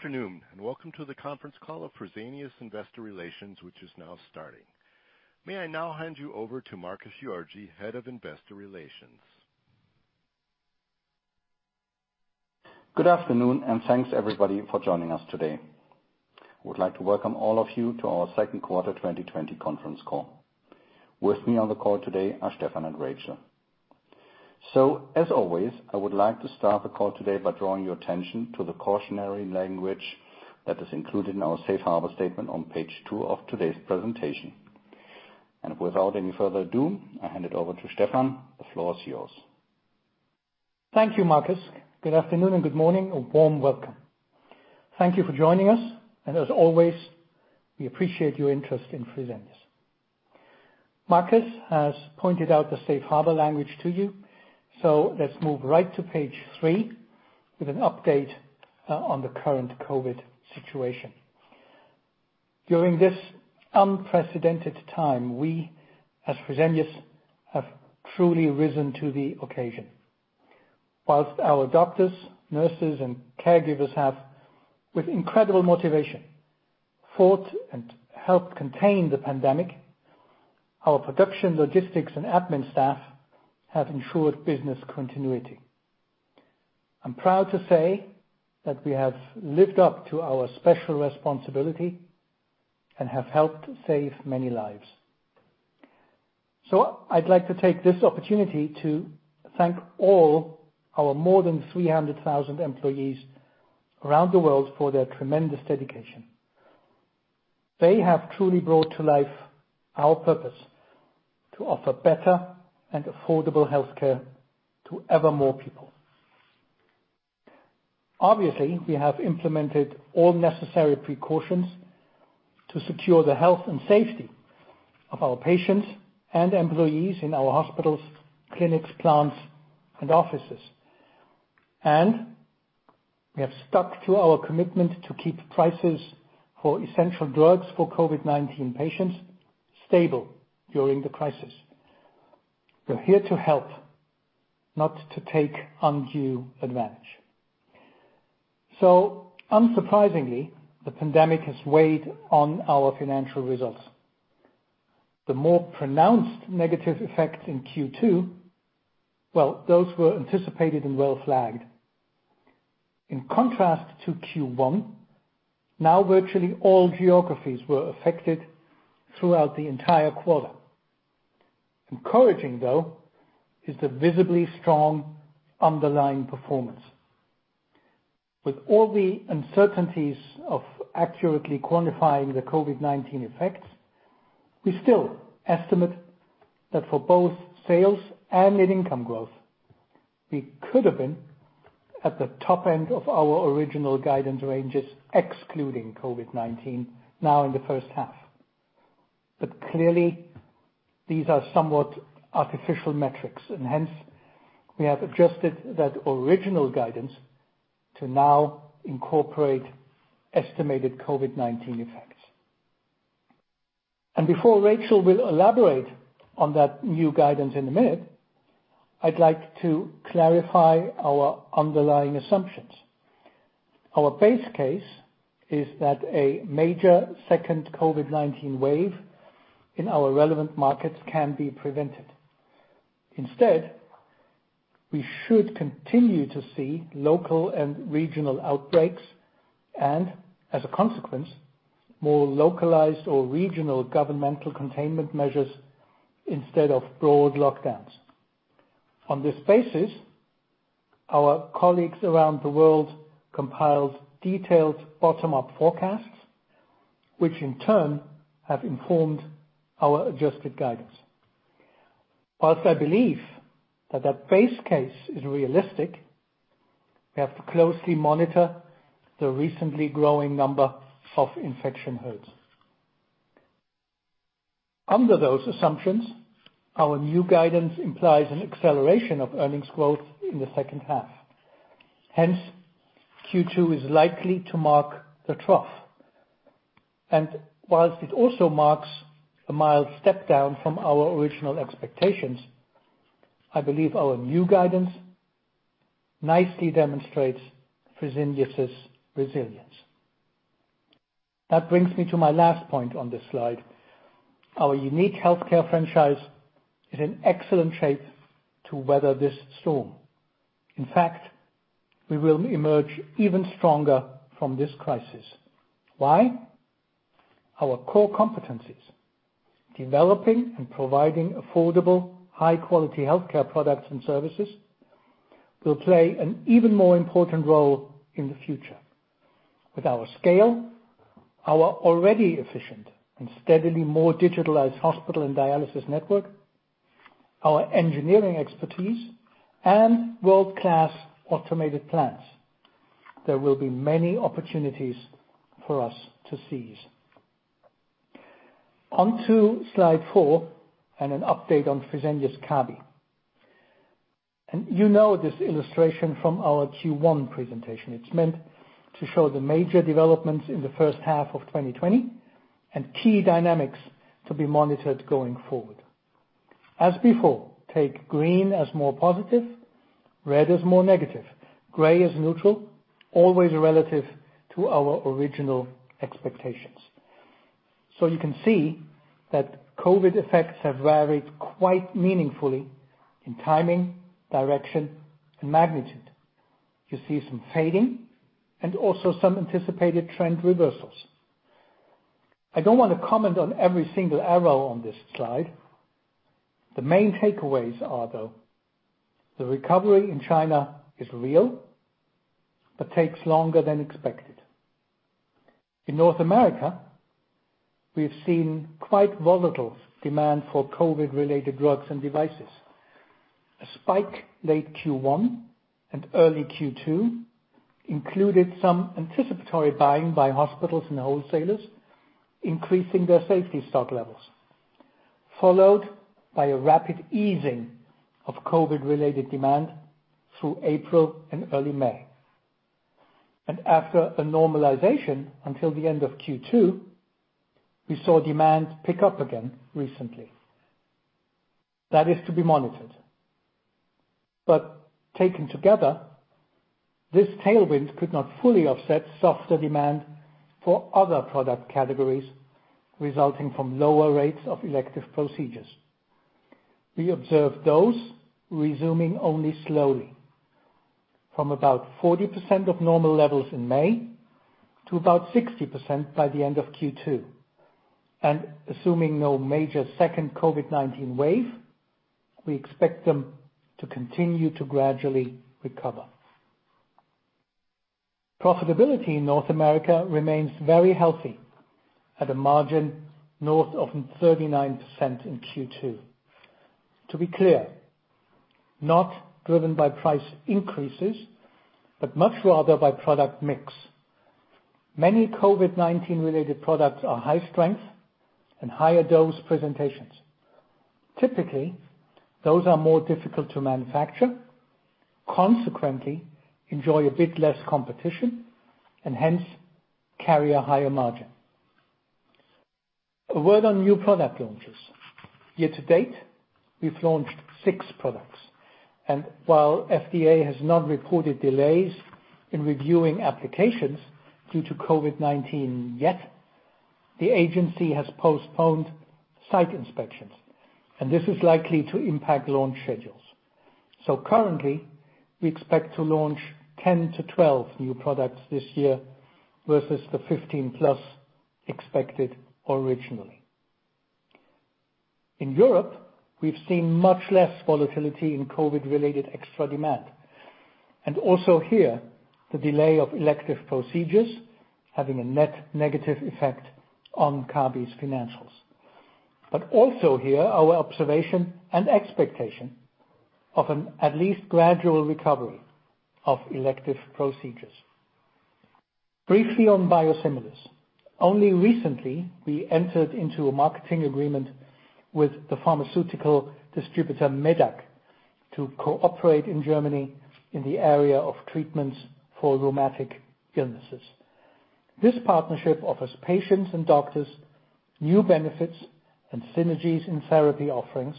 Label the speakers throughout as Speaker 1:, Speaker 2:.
Speaker 1: Good afternoon, welcome to the conference call of Fresenius Investor Relations, which is now starting. May I now hand you over to Markus Georgi, Head of Investor Relations.
Speaker 2: Good afternoon, thanks, everybody for joining us today. I would like to welcome all of you to our second quarter 2020 conference call. With me on the call today are Stephan and Rachel. As always, I would like to start the call today by drawing your attention to the cautionary language that is included in our safe harbor statement on page two of today's presentation. Without any further ado, I hand it over to Stephan. The floor is yours.
Speaker 3: Thank you, Markus. Good afternoon and good morning. A warm welcome. Thank you for joining us, and as always, we appreciate your interest in Fresenius. Markus has pointed out the safe harbor language to you. Let's move right to page three with an update on the current COVID-19 situation. During this unprecedented time, we as Fresenius have truly risen to the occasion. While our doctors, nurses, and caregivers have, with incredible motivation, fought and helped contain the pandemic. Our production, logistics, and admin staff have ensured business continuity. I'm proud to say that we have lived up to our special responsibility and have helped save many lives. I'd like to take this opportunity to thank all our more than 300,000 employees around the world for their tremendous dedication. They have truly brought to life our purpose to offer better and affordable healthcare to ever more people. Obviously, we have implemented all necessary precautions to secure the health and safety of our patients and employees in our hospitals, clinics, plants, and offices. We have stuck to our commitment to keep prices for essential drugs for COVID-19 patients stable during the crisis. We're here to help, not to take undue advantage. Unsurprisingly, the pandemic has weighed on our financial results. The more pronounced negative effects in Q2, well, those were anticipated and well flagged. In contrast to Q1, now virtually all geographies were affected throughout the entire quarter. Encouraging, though, is the visibly strong underlying performance. With all the uncertainties of accurately quantifying the COVID-19 effects, we still estimate that for both sales and net income growth, we could have been at the top end of our original guidance ranges, excluding COVID-19 now in the first half. Clearly, these are somewhat artificial metrics. Hence, we have adjusted that original guidance to now incorporate estimated COVID-19 effects. Before Rachel will elaborate on that new guidance in a minute, I'd like to clarify our underlying assumptions. Our base case is that a major second COVID-19 wave in our relevant markets can be prevented. Instead, we should continue to see local and regional outbreaks, and as a consequence, more localized or regional governmental containment measures instead of broad lockdowns. On this basis, our colleagues around the world compiled detailed bottom-up forecasts, which in turn have informed our adjusted guidance. Whilst I believe that that base case is realistic, we have to closely monitor the recently growing number of infection rates. Under those assumptions, our new guidance implies an acceleration of earnings growth in the second half. Hence, Q2 is likely to mark the trough. Whilst it also marks a mild step down from our original expectations, I believe our new guidance nicely demonstrates Fresenius' resilience. That brings me to my last point on this slide. Our unique healthcare franchise is in excellent shape to weather this storm. In fact, we will emerge even stronger from this crisis. Why? Our core competencies, developing and providing affordable, high-quality healthcare products and services will play an even more important role in the future. With our scale, our already efficient and steadily more digitalized hospital and dialysis network, our engineering expertise, and world-class automated plans, there will be many opportunities for us to seize. On to slide four and an update on Fresenius Kabi. You know this illustration from our Q1 presentation. It's meant to show the major developments in the first half of 2020 and key dynamics to be monitored going forward. As before, take green as more positive, red as more negative, gray as neutral, always relative to our original expectations. You can see that COVID effects have varied quite meaningfully in timing, direction, and magnitude. You see some fading and also some anticipated trend reversals. I don't want to comment on every single arrow on this slide. The main takeaways are, though, the recovery in China is real but takes longer than expected. In North America, we have seen quite volatile demand for COVID-related drugs and devices. A spike late Q1 and early Q2 included some anticipatory buying by hospitals and wholesalers, increasing their safety stock levels, followed by a rapid easing of COVID-related demand through April and early May. After a normalization until the end of Q2, we saw demand pick up again recently. That is to be monitored. Taken together, this tailwind could not fully offset softer demand for other product categories resulting from lower rates of elective procedures. We observed those resuming only slowly, from about 40% of normal levels in May to about 60% by the end of Q2. Assuming no major second COVID-19 wave, we expect them to continue to gradually recover. Profitability in North America remains very healthy at a margin north of 39% in Q2. To be clear, not driven by price increases, but much rather by product mix. Many COVID-19 related products are high-strength and higher dose presentations. Typically, those are more difficult to manufacture, consequently enjoy a bit less competition, and hence carry a higher margin. A word on new product launches. Year to date, we've launched six products. While FDA has not reported delays in reviewing applications due to COVID-19 yet, the agency has postponed site inspections, and this is likely to impact launch schedules. Currently, we expect to launch 10-12 new products this year versus the 15+ expected originally. In Europe, we've seen much less volatility in COVID-related extra demand. Also here, the delay of elective procedures having a net negative effect on Kabi's financials. Also here, our observation and expectation of an at least gradual recovery of elective procedures. Briefly on biosimilars. Only recently, we entered into a marketing agreement with the pharmaceutical distributor medac to cooperate in Germany in the area of treatments for rheumatic illnesses. This partnership offers patients and doctors new benefits and synergies in therapy offerings,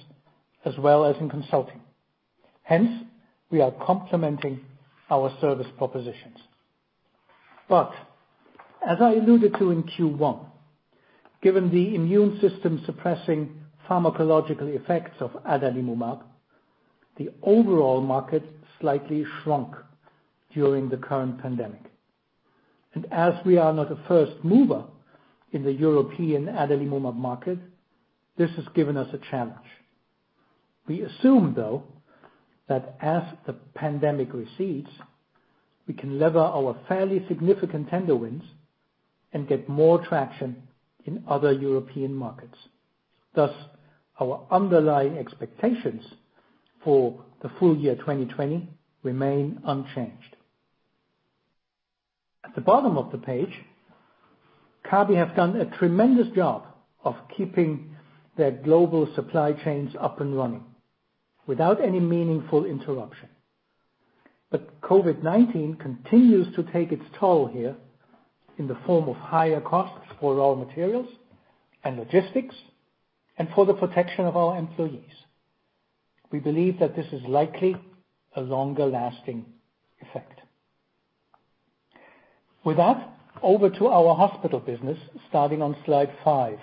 Speaker 3: as well as in consulting. Hence, we are complementing our service propositions. As I alluded to in Q1, given the immune system suppressing pharmacological effects of adalimumab, the overall market slightly shrunk during the current pandemic. As we are not a first mover in the European adalimumab market, this has given us a challenge. We assume, though, that as the pandemic recedes, we can lever our fairly significant tender wins and get more traction in other European markets. Thus, our underlying expectations for the full year 2020 remain unchanged. At the bottom of the page, Kabi have done a tremendous job of keeping their global supply chains up and running without any meaningful interruption. COVID-19 continues to take its toll here in the form of higher costs for raw materials and logistics, and for the protection of our employees. We believe that this is likely a longer-lasting effect. With that, over to our hospital business, starting on slide five.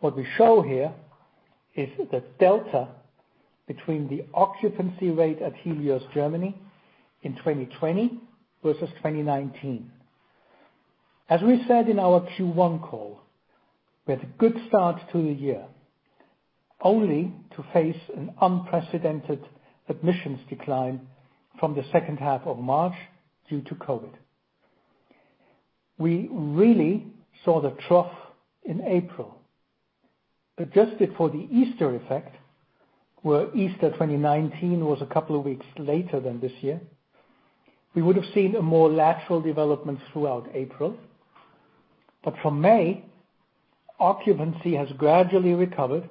Speaker 3: What we show here is the delta between the occupancy rate at Helios Germany in 2020 versus 2019. As we said in our Q1 call, we had a good start to the year, only to face an unprecedented admissions decline from the second half of March due to COVID. We really saw the trough in April. Adjusted for the Easter effect, where Easter 2019 was a couple of weeks later than this year, we would have seen a more lateral development throughout April. From May, occupancy has gradually recovered,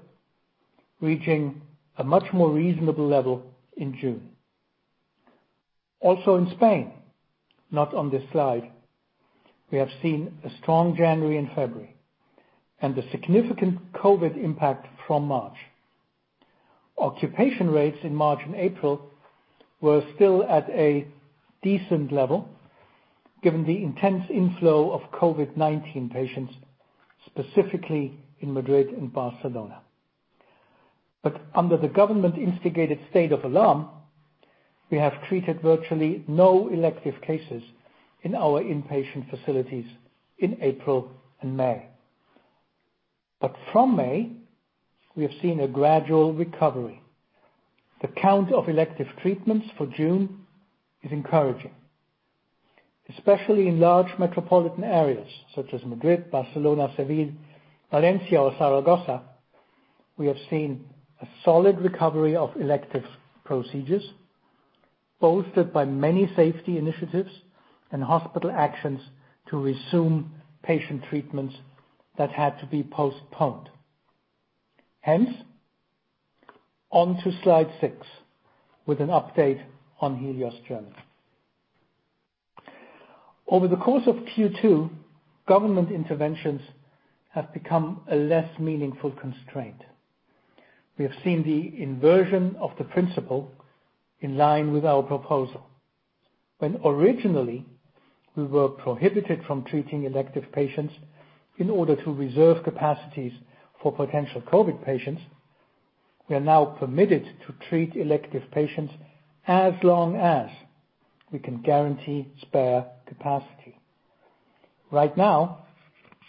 Speaker 3: reaching a much more reasonable level in June. Also in Spain, not on this slide, we have seen a strong January and February and a significant COVID impact from March. Occupation rates in March and April were still at a decent level, given the intense inflow of COVID-19 patients, specifically in Madrid and Barcelona. Under the government-instigated state of alarm, we have treated virtually no elective cases in our inpatient facilities in April and May. From May, we have seen a gradual recovery. The count of elective treatments for June is encouraging, especially in large metropolitan areas such as Madrid, Barcelona, Seville, Valencia, or Zaragoza, we have seen a solid recovery of elective procedures, bolstered by many safety initiatives and hospital actions to resume patient treatments that had to be postponed. Hence, on to slide six with an update on Helios Germany. Over the course of Q2, government interventions have become a less meaningful constraint. We have seen the inversion of the principle in line with our proposal. When originally, we were prohibited from treating elective patients in order to reserve capacities for potential COVID-19 patients, we are now permitted to treat elective patients as long as we can guarantee spare capacity. Right now,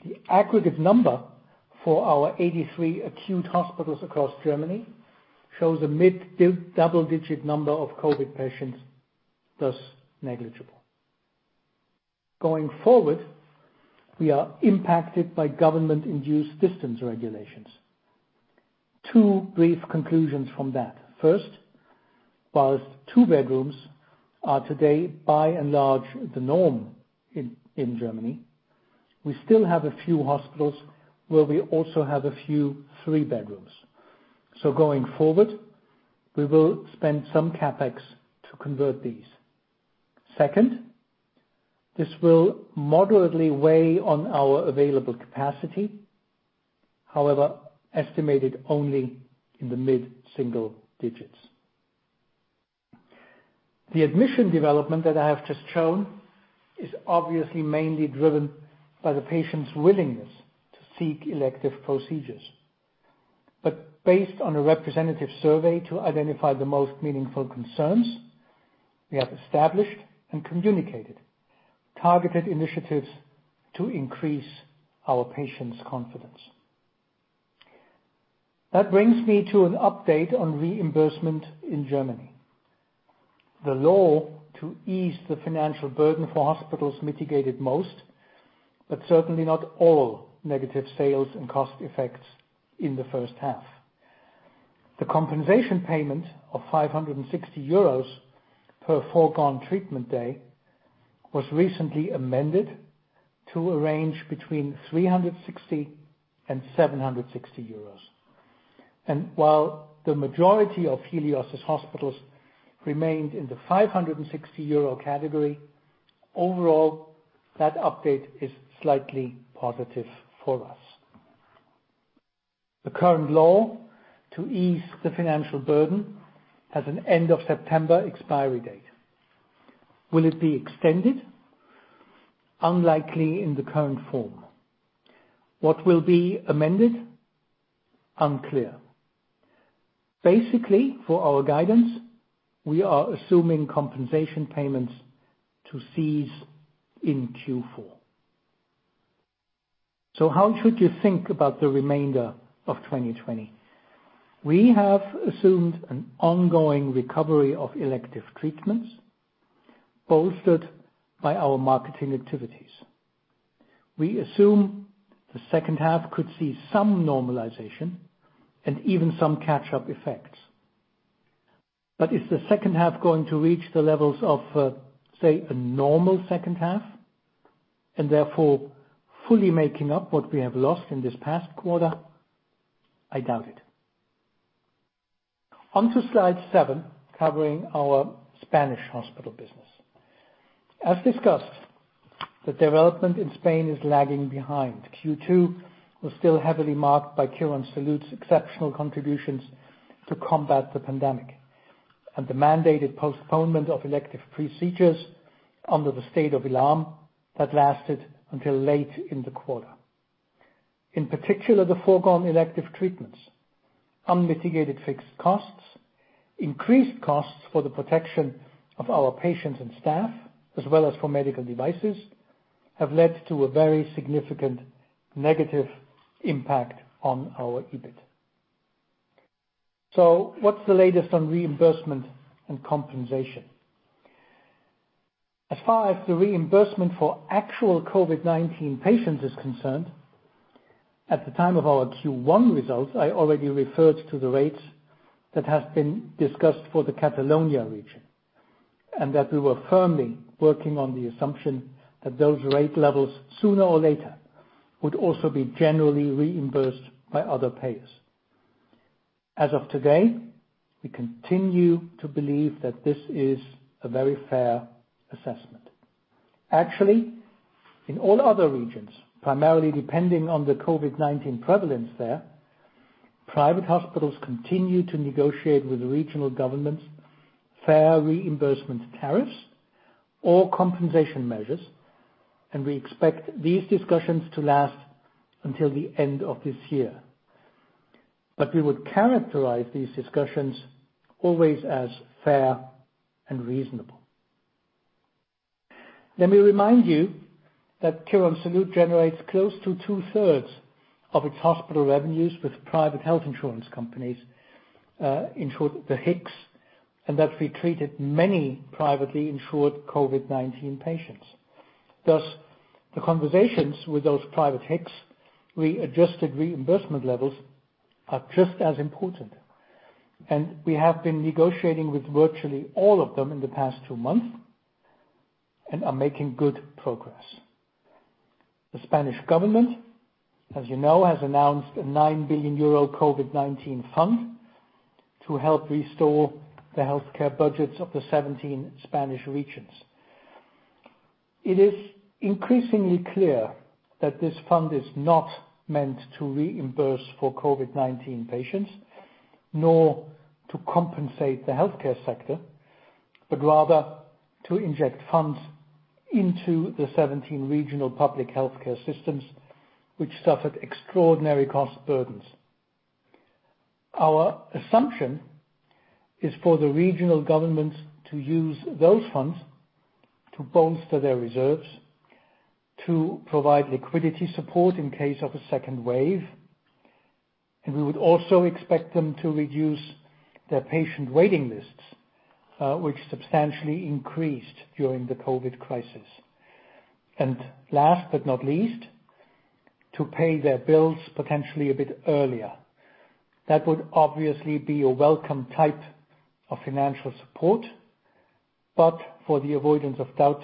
Speaker 3: the aggregate number for our 83 acute hospitals across Germany shows a mid-double digit number of COVID patients, thus negligible. Going forward, we are impacted by government-induced distance regulations. Two brief conclusions from that. First, whilst two bedrooms are today by and large the norm in Germany, we still have a few hospitals where we also have a few three bedrooms. Going forward, we will spend some CapEx to convert these. Second, this will moderately weigh on our available capacity. However, estimated only in the mid-single digits. The admission development that I have just shown is obviously mainly driven by the patient's willingness to seek elective procedures. Based on a representative survey to identify the most meaningful concerns, we have established and communicated targeted initiatives to increase our patients' confidence. That brings me to an update on reimbursement in Germany. The Law to Ease the Financial Burden for Hospitals mitigated most, but certainly not all negative sales and cost effects in the first half. The compensation payment of 560 euros per foregone treatment day was recently amended to a range between 360 and 760 euros. While the majority of Helios's hospitals remained in the 560 euro category, overall that update is slightly positive for us. The current Law to Ease the Financial Burden has an end of September expiry date. Will it be extended? Unlikely in the current form. What will be amended? Unclear. Basically, for our guidance, we are assuming compensation payments to cease in Q4. How should you think about the remainder of 2020? We have assumed an ongoing recovery of elective treatments bolstered by our marketing activities. We assume the second half could see some normalization and even some catch-up effects. Is the second half going to reach the levels of, say, a normal second half and therefore fully making up what we have lost in this past quarter? I doubt it. On to slide seven, covering our Spanish hospital business. As discussed, the development in Spain is lagging behind. Q2 was still heavily marked by Quirónsalud's exceptional contributions to combat the pandemic and the mandated postponement of elective procedures under the state of alarm that lasted until late in the quarter. In particular, the foregone elective treatments, unmitigated fixed costs, increased costs for the protection of our patients and staff, as well as for medical devices, have led to a very significant negative impact on our EBIT. What's the latest on reimbursement and compensation? As far as the reimbursement for actual COVID-19 patients is concerned, at the time of our Q1 results, I already referred to the rates that have been discussed for the Catalonia region, and that we were firmly working on the assumption that those rate levels sooner or later would also be generally reimbursed by other payers. As of today, we continue to believe that this is a very fair assessment. Actually, in all other regions, primarily depending on the COVID-19 prevalence there, private hospitals continue to negotiate with the regional governments fair reimbursement tariffs or compensation measures, and we expect these discussions to last until the end of this year. We would characterize these discussions always as fair and reasonable. Let me remind you that Quirónsalud generates close to two-thirds of its hospital revenues with private health insurance companies, in short, the HICs, and that we treated many privately insured COVID-19 patients. The conversations with those private HICs, we adjusted reimbursement levels are just as important, and we have been negotiating with virtually all of them in the past two months and are making good progress. The Spanish government, as you know, has announced a 9 billion euro COVID-19 fund to help restore the healthcare budgets of the 17 Spanish regions. It is increasingly clear that this fund is not meant to reimburse for COVID-19 patients, nor to compensate the healthcare sector, but rather to inject funds into the 17 regional public healthcare systems which suffered extraordinary cost burdens. Our assumption is for the regional governments to use those funds to bolster their reserves, to provide liquidity support in case of a second wave, and we would also expect them to reduce their patient waiting lists, which substantially increased during the COVID crisis. Last but not least, to pay their bills potentially a bit earlier. That would obviously be a welcome type of financial support, but for the avoidance of doubt,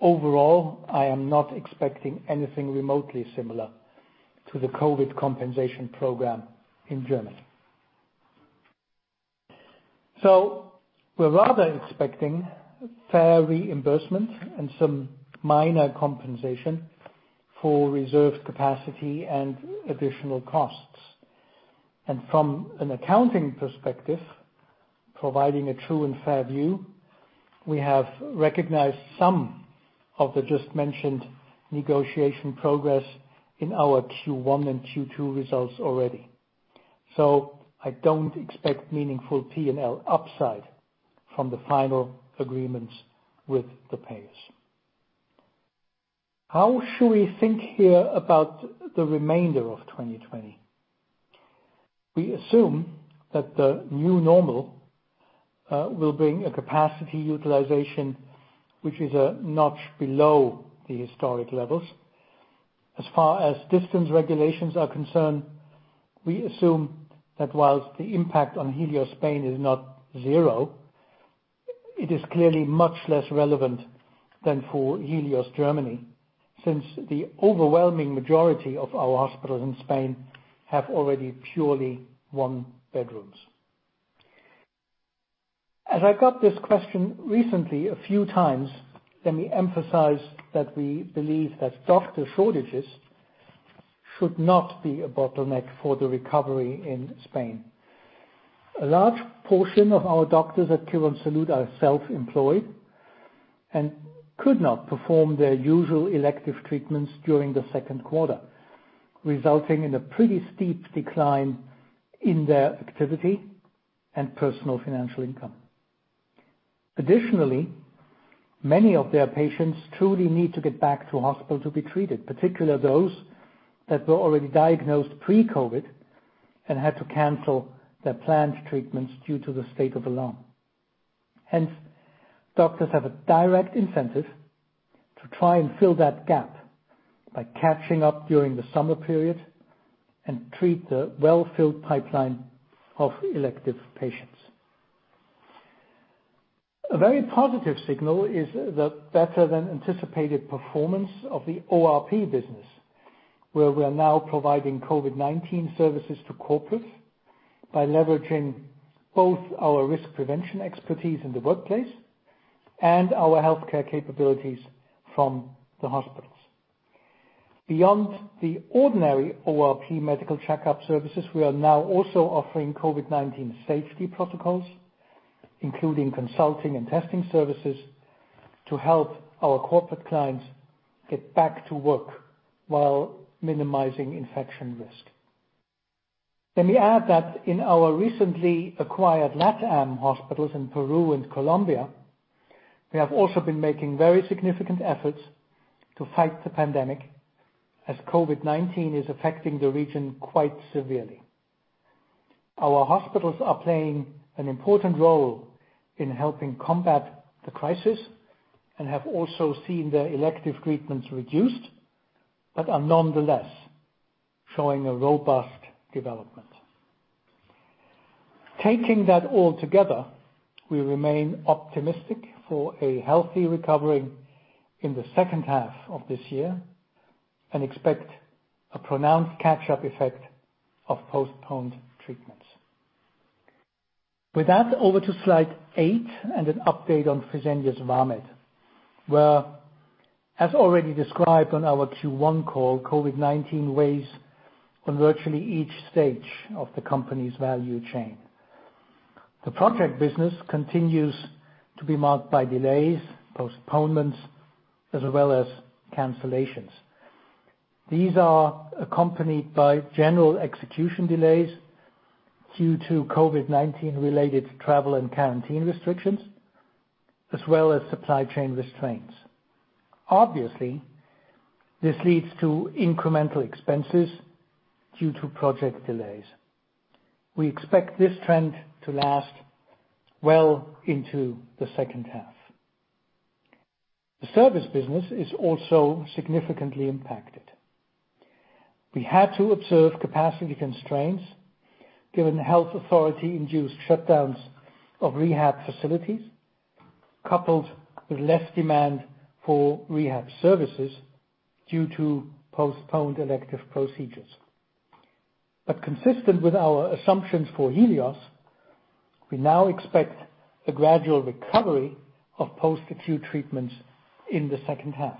Speaker 3: overall, I am not expecting anything remotely similar to the COVID compensation program in Germany. We're rather expecting fair reimbursement and some minor compensation for reserved capacity and additional costs. From an accounting perspective, providing a true and fair view, we have recognized some of the just mentioned negotiation progress in our Q1 and Q2 results already. I don't expect meaningful P&L upside from the final agreements with the payers. How should we think here about the remainder of 2020? We assume that the new normal will bring a capacity utilization which is a notch below the historic levels. As far as distance regulations are concerned, we assume that whilst the impact on Helios Spain is not zero, it is clearly much less relevant than for Helios Germany, since the overwhelming majority of our hospitals in Spain have already purely one bedrooms. As I got this question recently a few times, let me emphasize that we believe that doctor shortages should not be a bottleneck for the recovery in Spain. A large portion of our doctors at Quirónsalud are self-employed and could not perform their usual elective treatments during the second quarter, resulting in a pretty steep decline in their activity and personal financial income. Additionally, many of their patients truly need to get back to hospital to be treated, particularly those that were already diagnosed pre-COVID-19 and had to cancel their planned treatments due to the state of alarm. Hence, doctors have a direct incentive to try and fill that gap by catching up during the summer period and treat the well-filled pipeline of elective patients. A very positive signal is the better than anticipated performance of the ORP business, where we are now providing COVID-19 services to corporates by leveraging both our risk prevention expertise in the workplace and our healthcare capabilities from the hospitals. Beyond the ordinary ORP medical checkup services, we are now also offering COVID-19 safety protocols, including consulting and testing services, to help our corporate clients get back to work while minimizing infection risk. Let me add that in our recently acquired LatAm hospitals in Peru and Colombia, we have also been making very significant efforts to fight the pandemic, as COVID-19 is affecting the region quite severely. Our hospitals are playing an important role in helping combat the crisis and have also seen their elective treatments reduced, but are nonetheless showing a robust development. Taking that all together, we remain optimistic for a healthy recovery in the second half of this year. We expect a pronounced catch-up effect of postponed treatments. With that, over to Slide eight and an update on Fresenius Vamed, where, as already described on our Q1 call, COVID-19 weighs on virtually each stage of the company's value chain. The project business continues to be marked by delays, postponements, as well as cancellations. These are accompanied by general execution delays due to COVID-19 related travel and quarantine restrictions, as well as supply chain restraints. Obviously, this leads to incremental expenses due to project delays. We expect this trend to last well into the second half. The service business is also significantly impacted. We had to observe capacity constraints given the health authority-induced shutdowns of rehab facilities, coupled with less demand for rehab services due to postponed elective procedures. Consistent with our assumptions for Helios, we now expect a gradual recovery of post-acute treatments in the second half.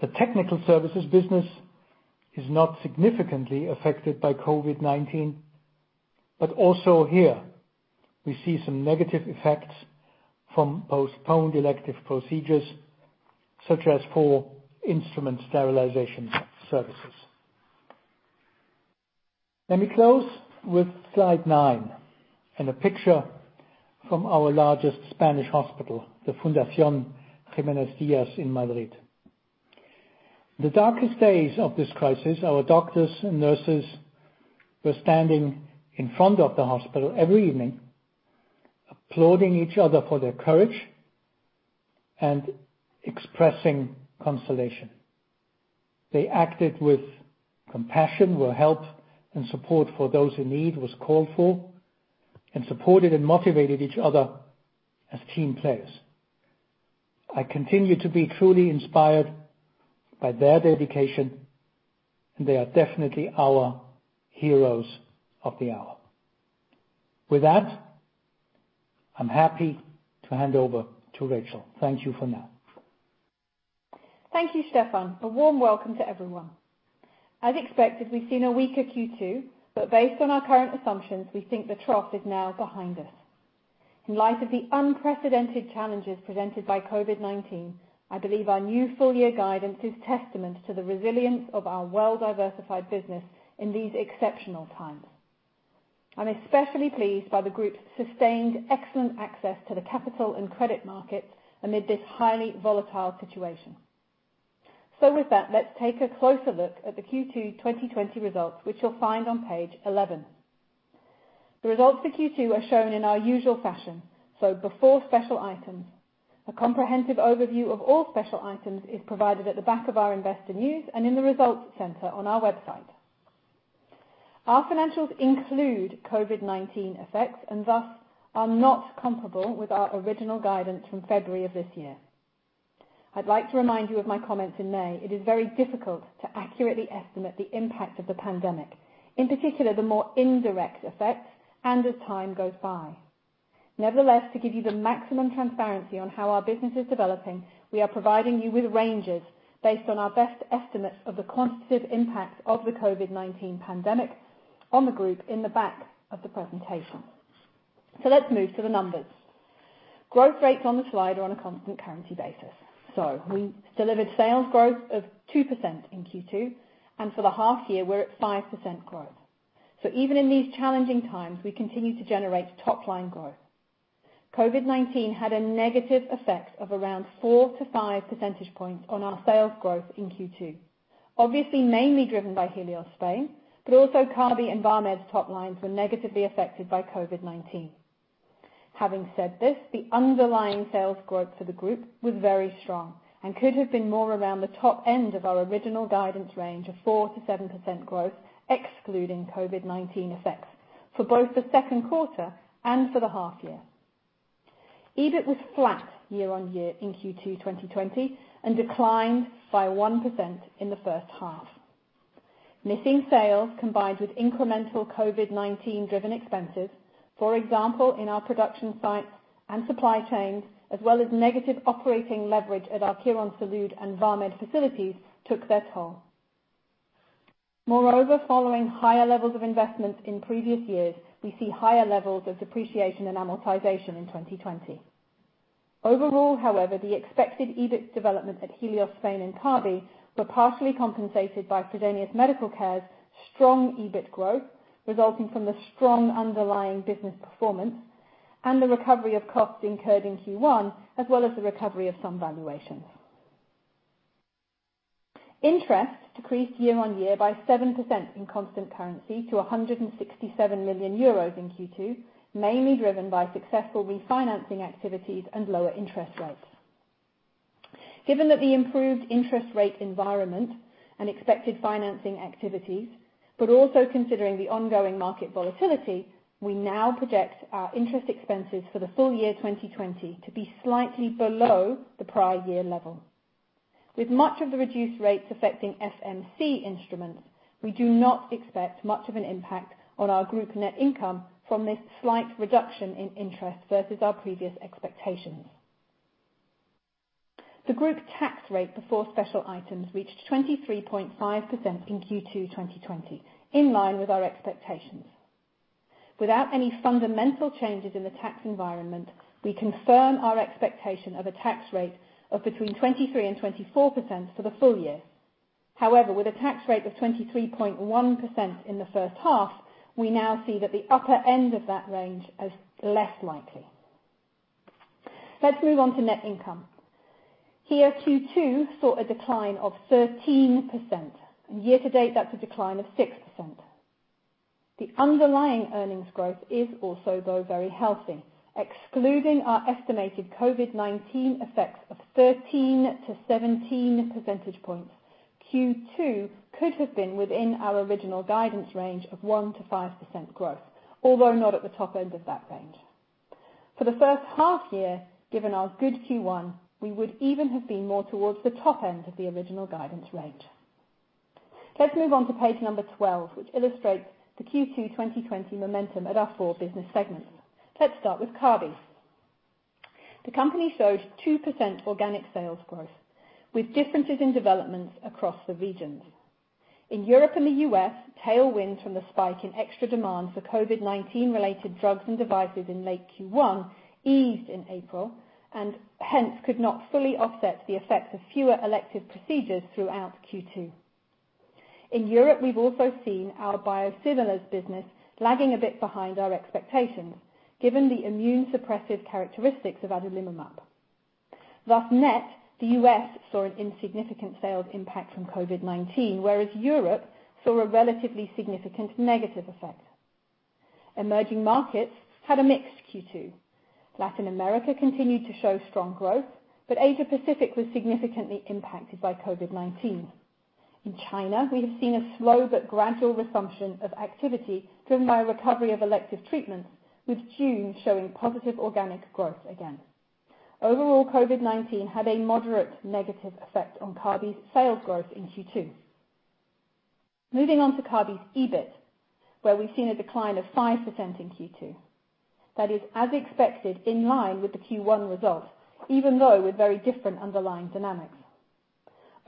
Speaker 3: The technical services business is not significantly affected by COVID-19, also here we see some negative effects from postponed elective procedures, such as for instrument sterilization services. Let me close with Slide nine and a picture from our largest Spanish hospital, the Fundación Jiménez Díaz in Madrid. The darkest days of this crisis, our doctors and nurses were standing in front of the hospital every evening, applauding each other for their courage and expressing consolation. They acted with compassion where help and support for those in need was called for, and supported and motivated each other as team players. I continue to be truly inspired by their dedication, and they are definitely our heroes of the hour. With that, I'm happy to hand over to Rachel. Thank you for now.
Speaker 4: Thank you, Stephan. A warm welcome to everyone. As expected, we've seen a weaker Q2. Based on our current assumptions, we think the trough is now behind us. In light of the unprecedented challenges presented by COVID-19, I believe our new full year guidance is testament to the resilience of our well-diversified business in these exceptional times. I'm especially pleased by the group's sustained excellent access to the capital and credit markets amid this highly volatile situation. With that, let's take a closer look at the Q2 2020 results, which you'll find on page 11. The results for Q2 are shown in our usual fashion, before special items. A comprehensive overview of all special items is provided at the back of our investor news and in the results center on our website. Our financials include COVID-19 effects and thus are not comparable with our original guidance from February of this year. I'd like to remind you of my comments in May. It is very difficult to accurately estimate the impact of the pandemic, in particular, the more indirect effects and as time goes by. To give you the maximum transparency on how our business is developing, we are providing you with ranges based on our best estimates of the quantitative impact of the COVID-19 pandemic on the group in the back of the presentation. Let's move to the numbers. Growth rates on the slide are on a constant currency basis. We delivered sales growth of 2% in Q2, and for the half year, we're at 5% growth. Even in these challenging times, we continue to generate top-line growth. COVID-19 had a negative effect of around four to five percentage points on our sales growth in Q2. Obviously, mainly driven by Helios Spain, but also Kabi and Vamed's top lines were negatively affected by COVID-19. Having said this, the underlying sales growth for the group was very strong and could have been more around the top end of our original guidance range of 4%-7% growth, excluding COVID-19 effects for both the second quarter and for the half year. EBIT was flat year-on-year in Q2 2020 and declined by 1% in the first half. Missing sales combined with incremental COVID-19 driven expenses, for example, in our production sites and supply chains, as well as negative operating leverage at our Quirónsalud and Vamed facilities took their toll. Moreover, following higher levels of investments in previous years, we see higher levels of depreciation and amortization in 2020. Overall, however, the expected EBIT development at Helios Spain and Kabi were partially compensated by Fresenius Medical Care's strong EBIT growth, resulting from the strong underlying business performance and the recovery of costs incurred in Q1, as well as the recovery of some valuations. Interest decreased year-over-year by 7% in constant currency to 167 million euros in Q2, mainly driven by successful refinancing activities, but also considering the ongoing market volatility, we now project our interest expenses for the full year 2020 to be slightly below the prior year level. With much of the reduced rates affecting FMC instruments, we do not expect much of an impact on our group net income from this slight reduction in interest versus our previous expectations. The group tax rate before special items reached 23.5% in Q2 2020, in line with our expectations. Without any fundamental changes in the tax environment, we confirm our expectation of a tax rate of between 23% and 24% for the full year. However, with a tax rate of 23.1% in the first half, we now see that the upper end of that range as less likely. Let's move on to net income. Here, Q2 saw a decline of 13%, and year to date, that's a decline of 6%. The underlying earnings growth is also though very healthy. Excluding our estimated COVID-19 effects of 13 to 17 percentage points, Q2 could have been within our original guidance range of 1% to 5% growth, although not at the top end of that range. For the first half year, given our good Q1, we would even have been more towards the top end of the original guidance range. Let's move on to page number 12, which illustrates the Q2 2020 momentum at our four business segments. Let's start with Kabi. The company showed 2% organic sales growth, with differences in developments across the regions. In Europe and the U.S., tailwinds from the spike in extra demand for COVID-19 related drugs and devices in late Q1 eased in April, and hence could not fully offset the effects of fewer elective procedures throughout Q2. In Europe, we've also seen our biosimilars business lagging a bit behind our expectations, given the immune suppressive characteristics of adalimumab. Thus net, the U.S. saw an insignificant sales impact from COVID-19, whereas Europe saw a relatively significant negative effect. Emerging markets had a mixed Q2. Latin America continued to show strong growth, but Asia Pacific was significantly impacted by COVID-19. In China, we have seen a slow but gradual resumption of activity driven by a recovery of elective treatments, with June showing positive organic growth again. Overall, COVID-19 had a moderate negative effect on Kabi's sales growth in Q2. Moving on to Kabi's EBIT, where we've seen a decline of 5% in Q2. That is as expected, in line with the Q1 results, even though with very different underlying dynamics.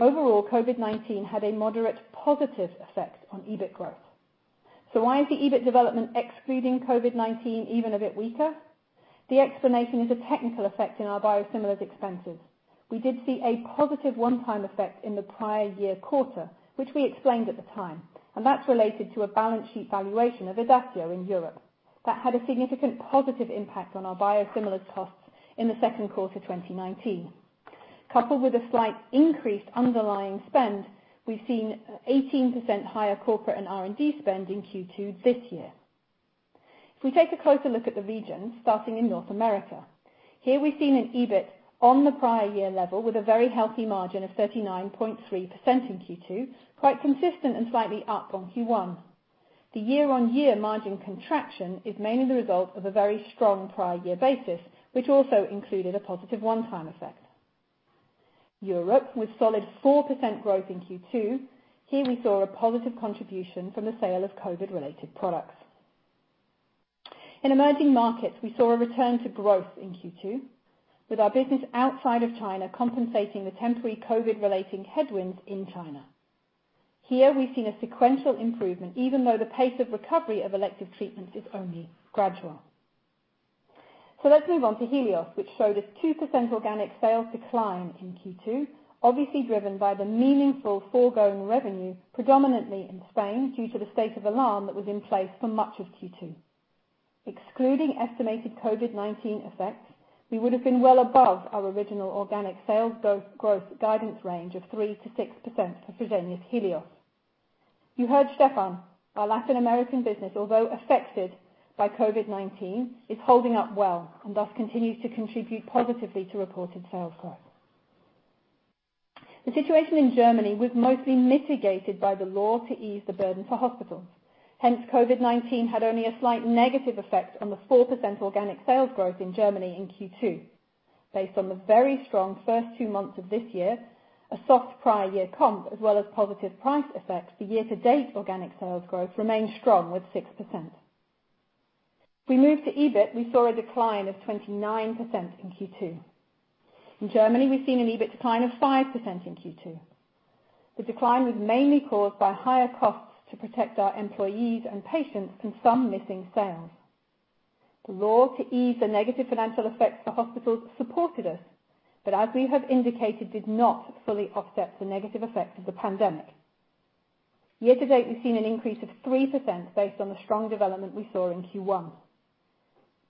Speaker 4: Overall, COVID-19 had a moderate positive effect on EBIT growth. Why is the EBIT development excluding COVID-19 even a bit weaker? The explanation is a technical effect in our biosimilars expenses. We did see a positive one-time effect in the prior year quarter, which we explained at the time, and that's related to a balance sheet valuation of Idacio in Europe. That had a significant positive impact on our biosimilars costs in the second quarter 2019. Coupled with a slight increased underlying spend, we've seen 18% higher corporate and R&D spend in Q2 this year. If we take a closer look at the regions, starting in North America, here we've seen an EBIT on the prior year level with a very healthy margin of 39.3% in Q2, quite consistent and slightly up on Q1. The year-over-year margin contraction is mainly the result of a very strong prior year basis, which also included a positive one-time effect. Europe, with solid 4% growth in Q2, here we saw a positive contribution from the sale of COVID related products. In emerging markets, we saw a return to growth in Q2, with our business outside of China compensating the temporary COVID relating headwinds in China. Here we've seen a sequential improvement even though the pace of recovery of elective treatments is only gradual. Let's move on to Helios, which showed a 2% organic sales decline in Q2, obviously driven by the meaningful foregoing revenue, predominantly in Spain, due to the state of alarm that was in place for much of Q2. Excluding estimated COVID-19 effects, we would have been well above our original organic sales growth guidance range of 3%-6% for Fresenius Helios. You heard Stephan. Our Latin American business, although affected by COVID-19, is holding up well, and thus continues to contribute positively to reported sales growth. The situation in Germany was mostly mitigated by the law to ease the burden for hospitals. COVID-19 had only a slight negative effect on the 4% organic sales growth in Germany in Q2. Based on the very strong first two months of this year, a soft prior year comp, as well as positive price effects, the year to date organic sales growth remains strong with 6%. We move to EBIT, we saw a decline of 29% in Q2. In Germany, we've seen an EBIT decline of 5% in Q2. The decline was mainly caused by higher costs to protect our employees and patients and some missing sales. The law to ease the financial burden for hospitals supported us, but as we have indicated, did not fully offset the negative effects of the pandemic. Year to date, we've seen an increase of 3% based on the strong development we saw in Q1.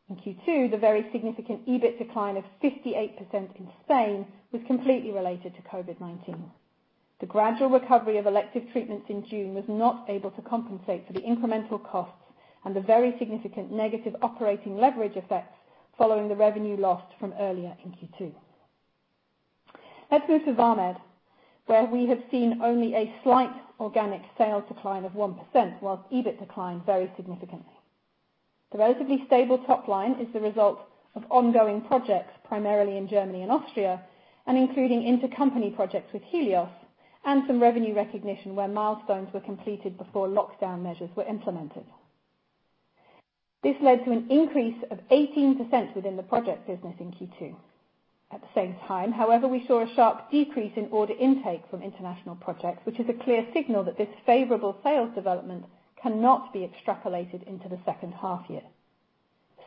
Speaker 4: In Q2, the very significant EBIT decline of 58% in Spain was completely related to COVID-19. The gradual recovery of elective treatments in June was not able to compensate for the incremental costs and the very significant negative operating leverage effects following the revenue lost from earlier in Q2. Let's move to Vamed, where we have seen only a slight organic sales decline of 1%, whilst EBIT declined very significantly. The relatively stable top line is the result of ongoing projects, primarily in Germany and Austria, and including intercompany projects with Helios and some revenue recognition where milestones were completed before lockdown measures were implemented. This led to an increase of 18% within the project business in Q2. At the same time, however, we saw a sharp decrease in order intake from international projects, which is a clear signal that this favorable sales development cannot be extrapolated into the second half year.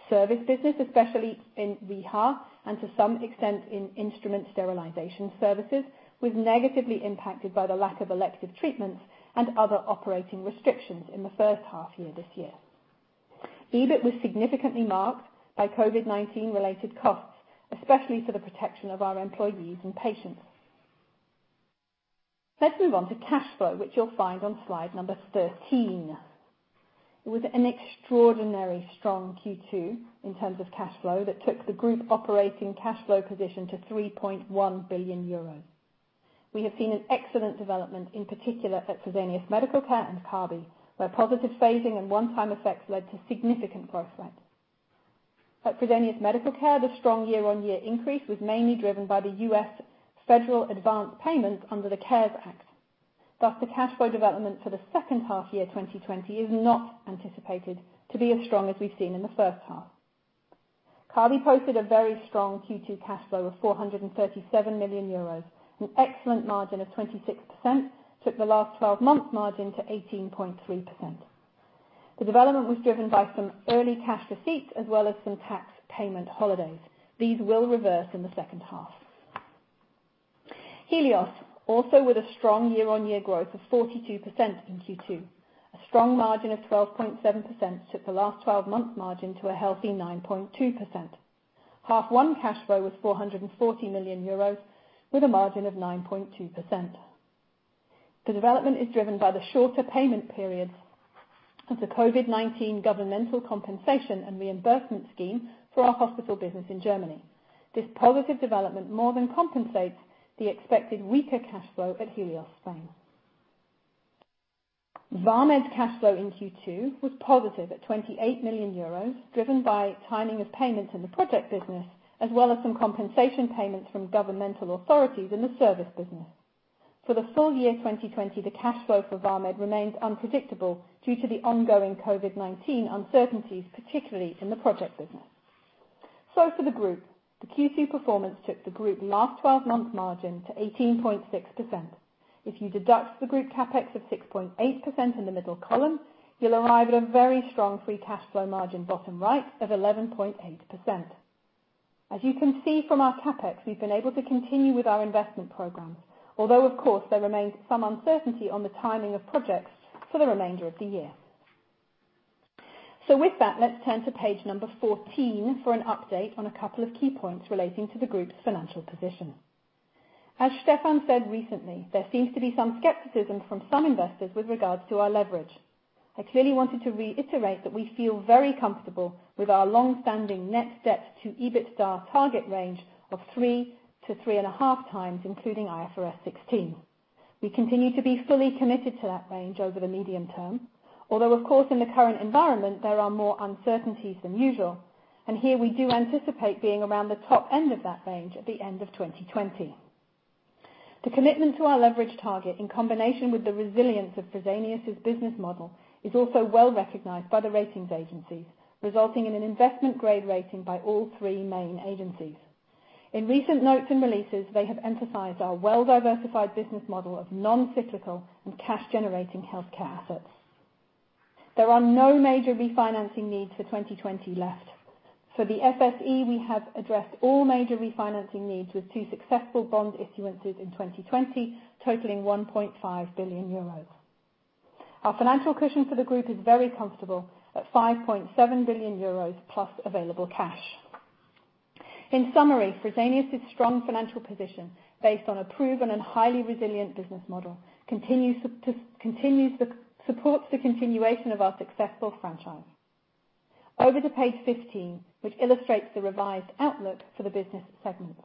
Speaker 4: Service business, especially in Reha and to some extent in instrument sterilization services, was negatively impacted by the lack of elective treatments and other operating restrictions in the first half year this year. EBIT was significantly marked by COVID-19 related costs, especially for the protection of our employees and patients. Let's move on to cash flow, which you'll find on slide number 13. It was an extraordinarily strong Q2 in terms of cash flow that took the group operating cash flow position to 3.1 billion euros. We have seen an excellent development, in particular at Fresenius Medical Care and Kabi, where positive phasing and one-time effects led to significant growth rates. At Fresenius Medical Care, the strong year-on-year increase was mainly driven by the U.S. Federal advance payments under the CARES Act. The cash flow development for the second half year 2020 is not anticipated to be as strong as we've seen in the first half. Kabi posted a very strong Q2 cash flow of 437 million euros, an excellent margin of 26%, took the last 12 months margin to 18.3%. The development was driven by some early cash receipts as well as some tax payment holidays. These will reverse in the second half. Helios also with a strong year-on-year growth of 42% in Q2. A strong margin of 12.7% took the last 12 months margin to a healthy 9.2%. Half one cash flow was 440 million euros, with a margin of 9.2%. The development is driven by the shorter payment periods of the COVID-19 governmental compensation and reimbursement scheme for our hospital business in Germany. This positive development more than compensates the expected weaker cash flow at Helios Spain. Vamed's cash flow in Q2 was positive at €28 million, driven by timing of payments in the project business, as well as some compensation payments from governmental authorities in the service business. For the full year 2020, the cash flow for Vamed remains unpredictable due to the ongoing COVID-19 uncertainties, particularly in the project business. For the group, the Q2 performance took the group last 12 months margin to 18.6%. If you deduct the group CapEx of 6.8% in the middle column, you'll arrive at a very strong free cash flow margin bottom right of 11.8%. As you can see from our CapEx, we've been able to continue with our investment programs, although of course, there remains some uncertainty on the timing of projects for the remainder of the year. With that, let's turn to page number 14 for an update on a couple of key points relating to the group's financial position. As Stephan said recently, there seems to be some skepticism from some investors with regards to our leverage. I clearly wanted to reiterate that we feel very comfortable with our long-standing net debt to EBITDA target range of three to 3.5 times, including IFRS 16. We continue to be fully committed to that range over the medium term, although of course, in the current environment, there are more uncertainties than usual, and here we do anticipate being around the top end of that range at the end of 2020. The commitment to our leverage target, in combination with the resilience of Fresenius's business model, is also well recognized by the ratings agencies, resulting in an investment grade rating by all three main agencies. In recent notes and releases, they have emphasized our well-diversified business model of non-cyclical and cash generating healthcare assets. There are no major refinancing needs for 2020 left. For the FSE, we have addressed all major refinancing needs with two successful bond issuances in 2020 totaling 1.5 billion euros. Our financial cushion for the group is very comfortable at 5.7 billion euros plus available cash. In summary, Fresenius's strong financial position, based on a proven and highly resilient business model, supports the continuation of our successful franchise. Over to page 15, which illustrates the revised outlook for the business segments.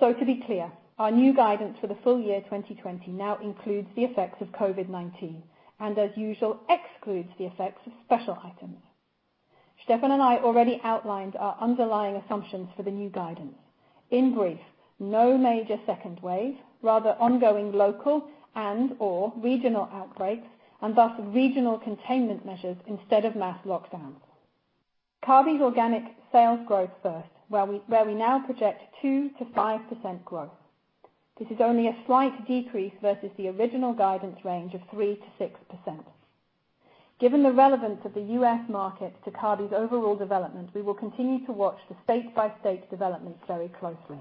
Speaker 4: To be clear, our new guidance for the full year 2020 now includes the effects of COVID-19, and as usual, excludes the effects of special items. Stephan and I already outlined our underlying assumptions for the new guidance. In brief, no major second wave, rather ongoing local and/or regional outbreaks, and thus regional containment measures instead of mass lockdowns. Kabi's organic sales growth first, where we now project 2%-5% growth. This is only a slight decrease versus the original guidance range of 3%-6%. Given the relevance of the U.S. market to Kabi's overall development, we will continue to watch the state-by-state developments very closely.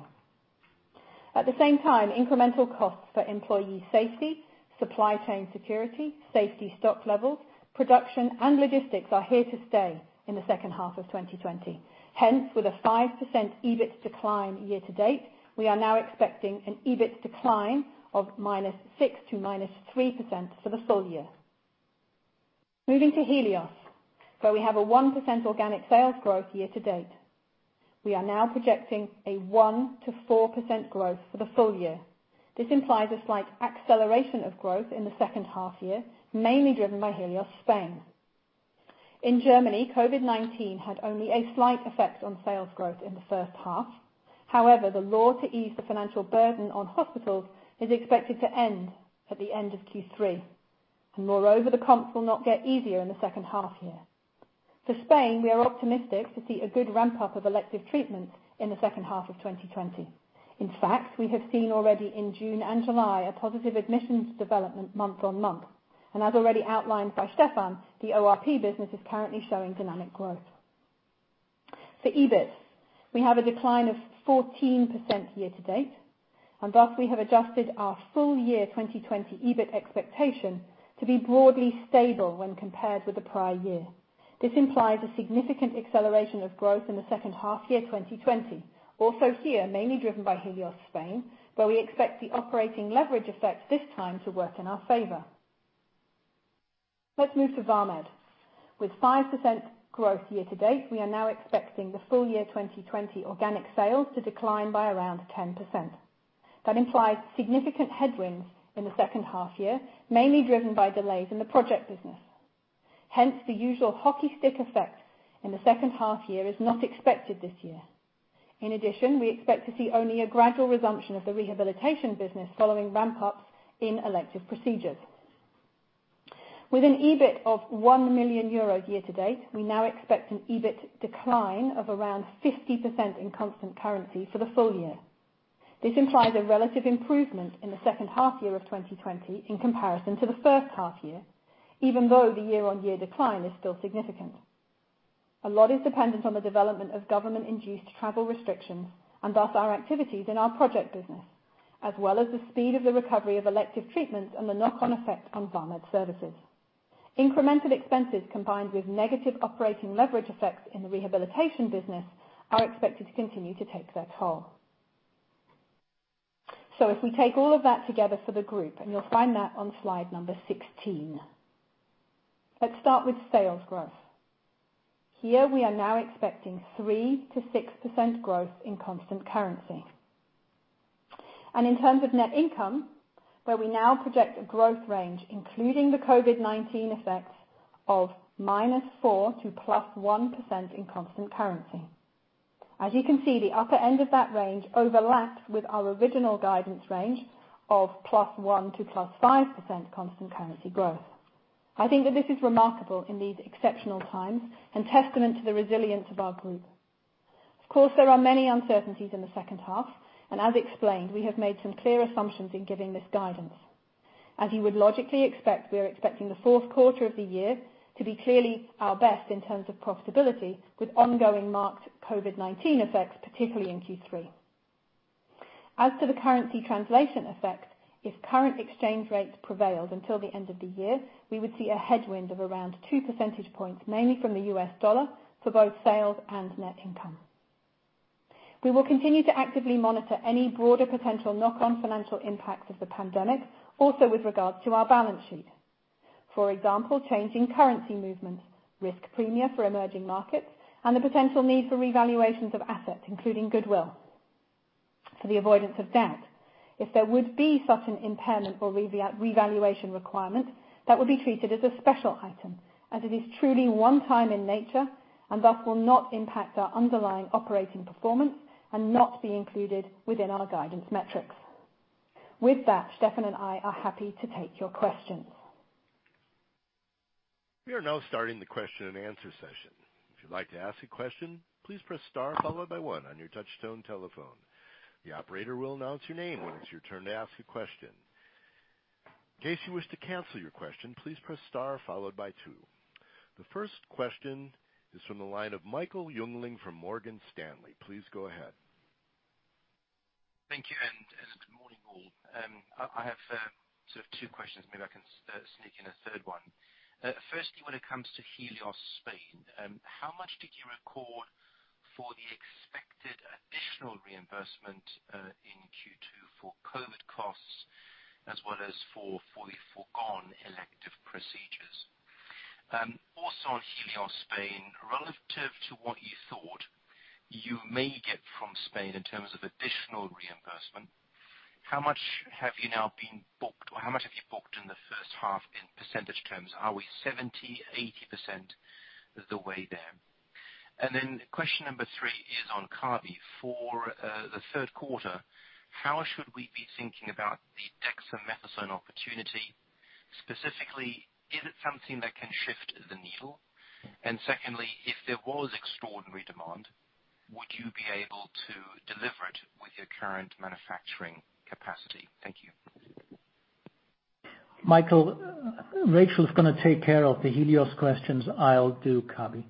Speaker 4: At the same time, incremental costs for employee safety, supply chain security, safety stock levels, production, and logistics are here to stay in the second half of 2020. Hence, with a 5% EBIT decline year to date, we are now expecting an EBIT decline of -6% to -3% for the full year. Moving to Helios, where we have a 1% organic sales growth year to date. We are now projecting a 1%-4% growth for the full year. This implies a slight acceleration of growth in the second half year, mainly driven by Helios Spain. In Germany, COVID-19 had only a slight effect on sales growth in the first half. The law to ease the financial burden on hospitals is expected to end at the end of Q3. Moreover, the comps will not get easier in the second half year. For Spain, we are optimistic to see a good ramp-up of elective treatments in the second half of 2020. In fact, we have seen already in June and July a positive admissions development month-on-month. As already outlined by Stephan, the ORP business is currently showing dynamic growth. For EBIT, we have a decline of 14% year-to-date, thus we have adjusted our full year 2020 EBIT expectation to be broadly stable when compared with the prior year. This implies a significant acceleration of growth in the second half year 2020. Here, mainly driven by Helios Spain, where we expect the operating leverage effect this time to work in our favor. Let's move to Vamed. With 5% growth year to date, we are now expecting the full year 2020 organic sales to decline by around 10%. Implies significant headwinds in the second half year, mainly driven by delays in the project business. The usual hockey stick effect in the second half year is not expected this year. In addition, we expect to see only a gradual resumption of the rehabilitation business following ramp-ups in elective procedures. With an EBIT of 1 million euros year to date, we now expect an EBIT decline of around 50% in constant currency for the full year. This implies a relative improvement in the second half year of 2020 in comparison to the first half year, even though the year-on-year decline is still significant. A lot is dependent on the development of government-induced travel restrictions, and thus our activities in our project business, as well as the speed of the recovery of elective treatments and the knock-on effect on Vamed services. Incremental expenses combined with negative operating leverage effects in the rehabilitation business are expected to continue to take their toll. If we take all of that together for the group, you'll find that on slide number 16. Let's start with sales growth. Here we are now expecting 3%-6% growth in constant currency. In terms of net income, where we now project a growth range including the COVID-19 effects of -4% to +1% in constant currency. As you can see, the upper end of that range overlaps with our original guidance range of +1% to +5% constant currency growth. I think that this is remarkable in these exceptional times and testament to the resilience of our group. Of course, there are many uncertainties in the second half, and as explained, we have made some clear assumptions in giving this guidance. As you would logically expect, we are expecting the fourth quarter of the year to be clearly our best in terms of profitability with ongoing marked COVID-19 effects, particularly in Q3. As to the currency translation effect, if current exchange rates prevailed until the end of the year, we would see a headwind of around two percentage points, mainly from the US dollar, for both sales and net income. We will continue to actively monitor any broader potential knock-on financial impacts of the pandemic, also with regards to our balance sheet. For example, changing currency movements, risk premia for emerging markets, and the potential need for revaluations of assets, including goodwill, for the avoidance of doubt. If there would be such an impairment or revaluation requirement, that would be treated as a special item, as it is truly one time in nature and thus will not impact our underlying operating performance and not be included within our guidance metrics. With that, Stephan and I are happy to take your questions.
Speaker 1: We are now starting the question and answer session. If you'd like to ask a question, please press star followed by one on your touchtone telephone. The operator will announce your name when it's your turn to ask a question. In case you wish to cancel your question, please press star followed by two. The first question is from the line of Michael Jungling from Morgan Stanley. Please go ahead.
Speaker 5: Thank you. Good morning, all. I have sort of two questions. Maybe I can sneak in a third one. Firstly, when it comes to Helios Spain, how much did you record for the expected additional reimbursement in Q2 for COVID costs as well as for the forgone elective procedures? Also on Helios Spain, relative to what you thought you may get from Spain in terms of additional reimbursement, how much have you now been booked or how much have you booked in the first half in percentage terms? Are we 70%, 80% the way there? Question number three is on Kabi. For the third quarter, how should we be thinking about the dexamethasone opportunity? Specifically, is it something that can shift the needle? Secondly, if there was extraordinary demand, would you be able to deliver it with your current manufacturing capacity? Thank you.
Speaker 3: Michael, Rachel is going to take care of the Helios questions. I'll do Kabi.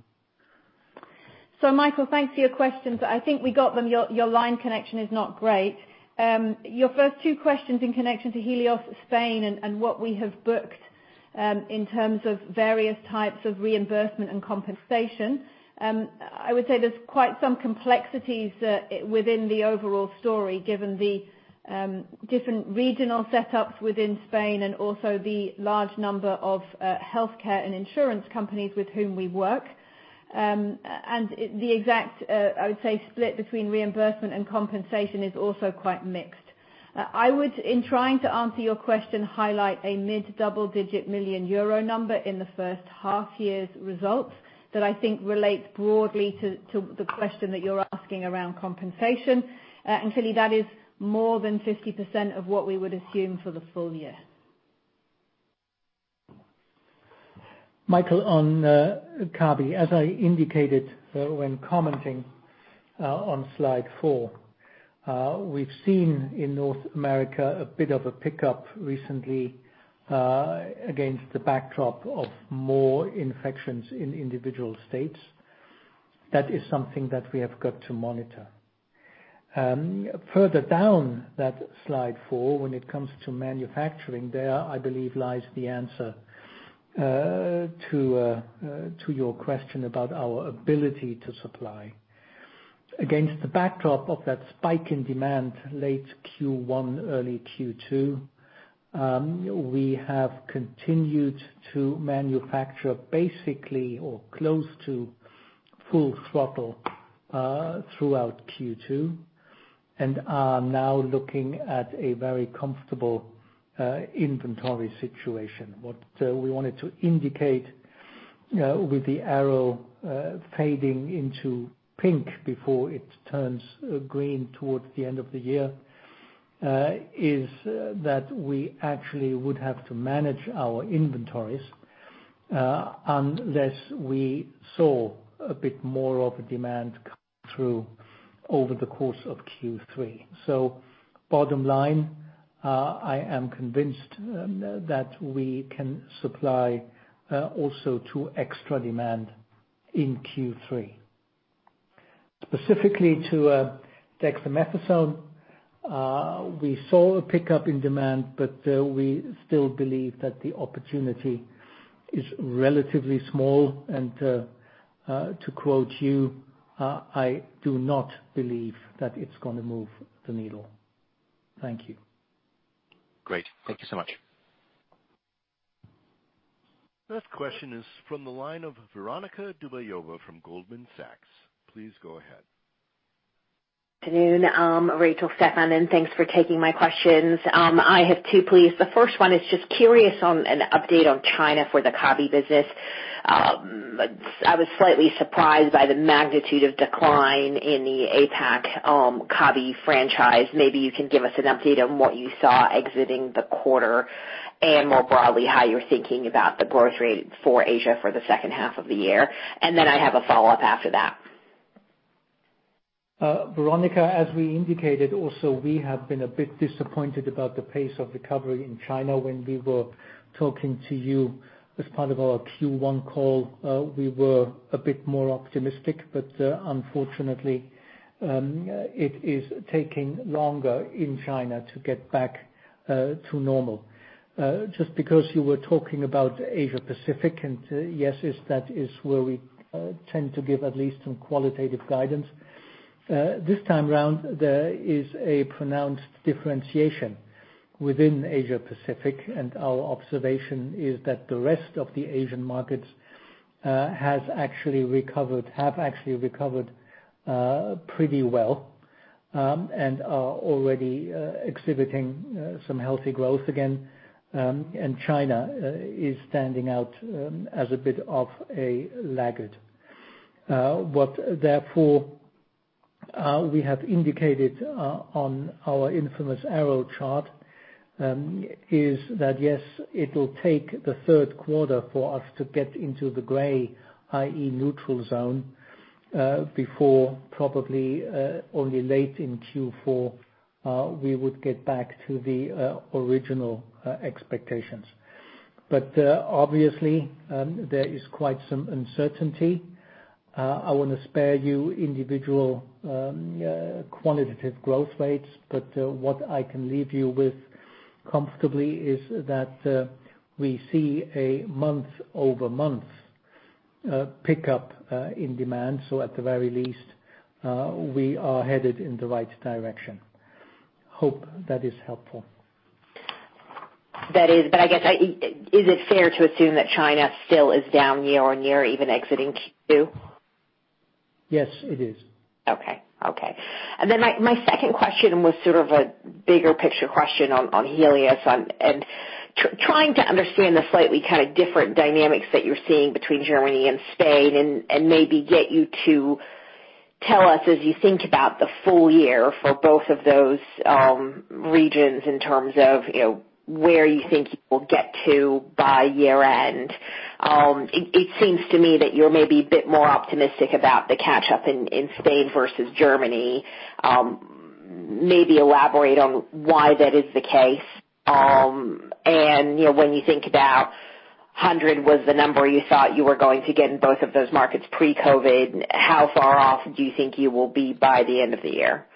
Speaker 4: Michael, thanks for your questions. I think we got them. Your line connection is not great. Your first two questions in connection to Helios Spain and what we have booked in terms of various types of reimbursement and compensation, I would say there's quite some complexities within the overall story, given the different regional setups within Spain and also the large number of healthcare and insurance companies with whom we work. And the exact, I would say split between reimbursement and compensation is also quite mixed. I would, in trying to answer your question, highlight a mid double-digit million EUR number in the first half-year's results that I think relates broadly to the question that you're asking around compensation. Philly, that is more than 50% of what we would assume for the full year.
Speaker 3: Michael, on Kabi, as I indicated when commenting on slide four, we've seen in North America a bit of a pickup recently, against the backdrop of more infections in individual states. That is something that we have got to monitor. Further down that slide four, when it comes to manufacturing, there, I believe, lies the answer to your question about our ability to supply. Against the backdrop of that spike in demand late Q1, early Q2, we have continued to manufacture basically or close to full throttle, throughout Q2, and are now looking at a very comfortable inventory situation. What we wanted to indicate with the arrow fading into pink before it turns green towards the end of the year, is that we actually would have to manage our inventories, unless we saw a bit more of a demand come through over the course of Q3. Bottom line, I am convinced that we can supply, also to extra demand in Q3. Specifically to dexamethasone, we saw a pickup in demand, but we still believe that the opportunity is relatively small and, to quote you, I do not believe that it's going to move the needle. Thank you.
Speaker 5: Great. Thank you so much.
Speaker 1: Next question is from the line of Veronika Dubajova from Goldman Sachs. Please go ahead.
Speaker 6: Good afternoon, Rachel, Stephan. Thanks for taking my questions. I have two, please. The first one is just curious on an update on China for the Kabi business. I was slightly surprised by the magnitude of decline in the APAC Kabi franchise. Maybe you can give us an update on what you saw exiting the quarter, and more broadly, how you're thinking about the growth rate for Asia for the second half of the year. Then I have a follow-up after that.
Speaker 3: Veronika, as we indicated also, we have been a bit disappointed about the pace of recovery in China. When we were talking to you as part of our Q1 call, we were a bit more optimistic, but unfortunately, it is taking longer in China to get back to normal. Just because you were talking about Asia Pacific, yes, that is where we tend to give at least some qualitative guidance. This time around, there is a pronounced differentiation within Asia Pacific, and our observation is that the rest of the Asian markets have actually recovered pretty well, and are already exhibiting some healthy growth again. China is standing out as a bit of a laggard. What therefore, we have indicated on our infamous arrow chart, is that, yes, it will take the third quarter for us to get into the gray, i.e. neutral zone, before probably only late in Q4, we would get back to the original expectations. Obviously, there is quite some uncertainty. I want to spare you individual qualitative growth rates, but what I can leave you with comfortably is that we see a month-over-month pickup in demand. At the very least, we are headed in the right direction. Hope that is helpful.
Speaker 6: That is. I guess, is it fair to assume that China still is down year-over-year even exiting Q2?
Speaker 3: Yes, it is.
Speaker 6: Okay. My second question was sort of a bigger picture question on Helios and trying to understand the slightly different dynamics that you're seeing between Germany and Spain and maybe get you to tell us as you think about the full year for both of those regions in terms of where you think you will get to by year end. It seems to me that you're maybe a bit more optimistic about the catch up in Spain versus Germany. Maybe elaborate on why that is the case. When you think about 100 was the number you thought you were going to get in both of those markets pre-COVID, how far off do you think you will be by the end of the year?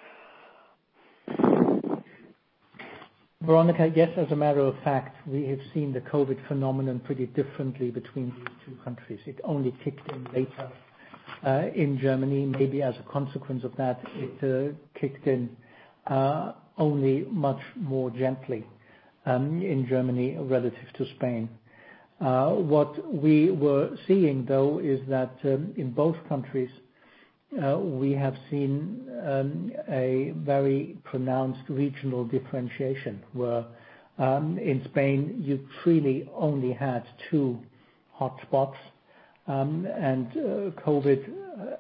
Speaker 3: Veronika, yes, as a matter of fact, we have seen the COVID phenomenon pretty differently between these two countries. It only kicked in later, in Germany. Maybe as a consequence of that, it kicked in only much more gently in Germany relative to Spain. What we were seeing, though, is that in both countries, we have seen a very pronounced regional differentiation, where in Spain, you truly only had two hotspots. COVID,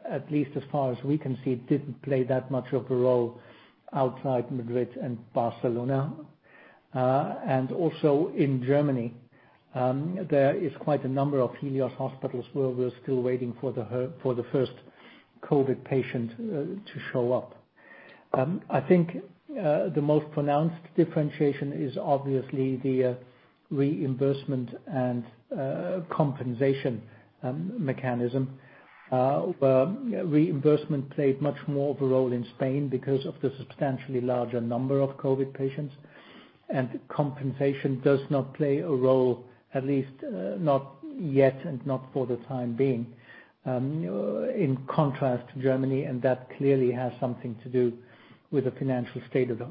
Speaker 3: at least as far as we can see, didn't play that much of a role outside Madrid and Barcelona. Also in Germany, there is quite a number of Helios hospitals where we're still waiting for the first COVID patient to show up. I think the most pronounced differentiation is obviously the reimbursement and compensation mechanism, where reimbursement played much more of a role in Spain because of the substantially larger number of COVID patients. Compensation does not play a role, at least not yet and not for the time being, in contrast to Germany, and that clearly has something to do with the financial state of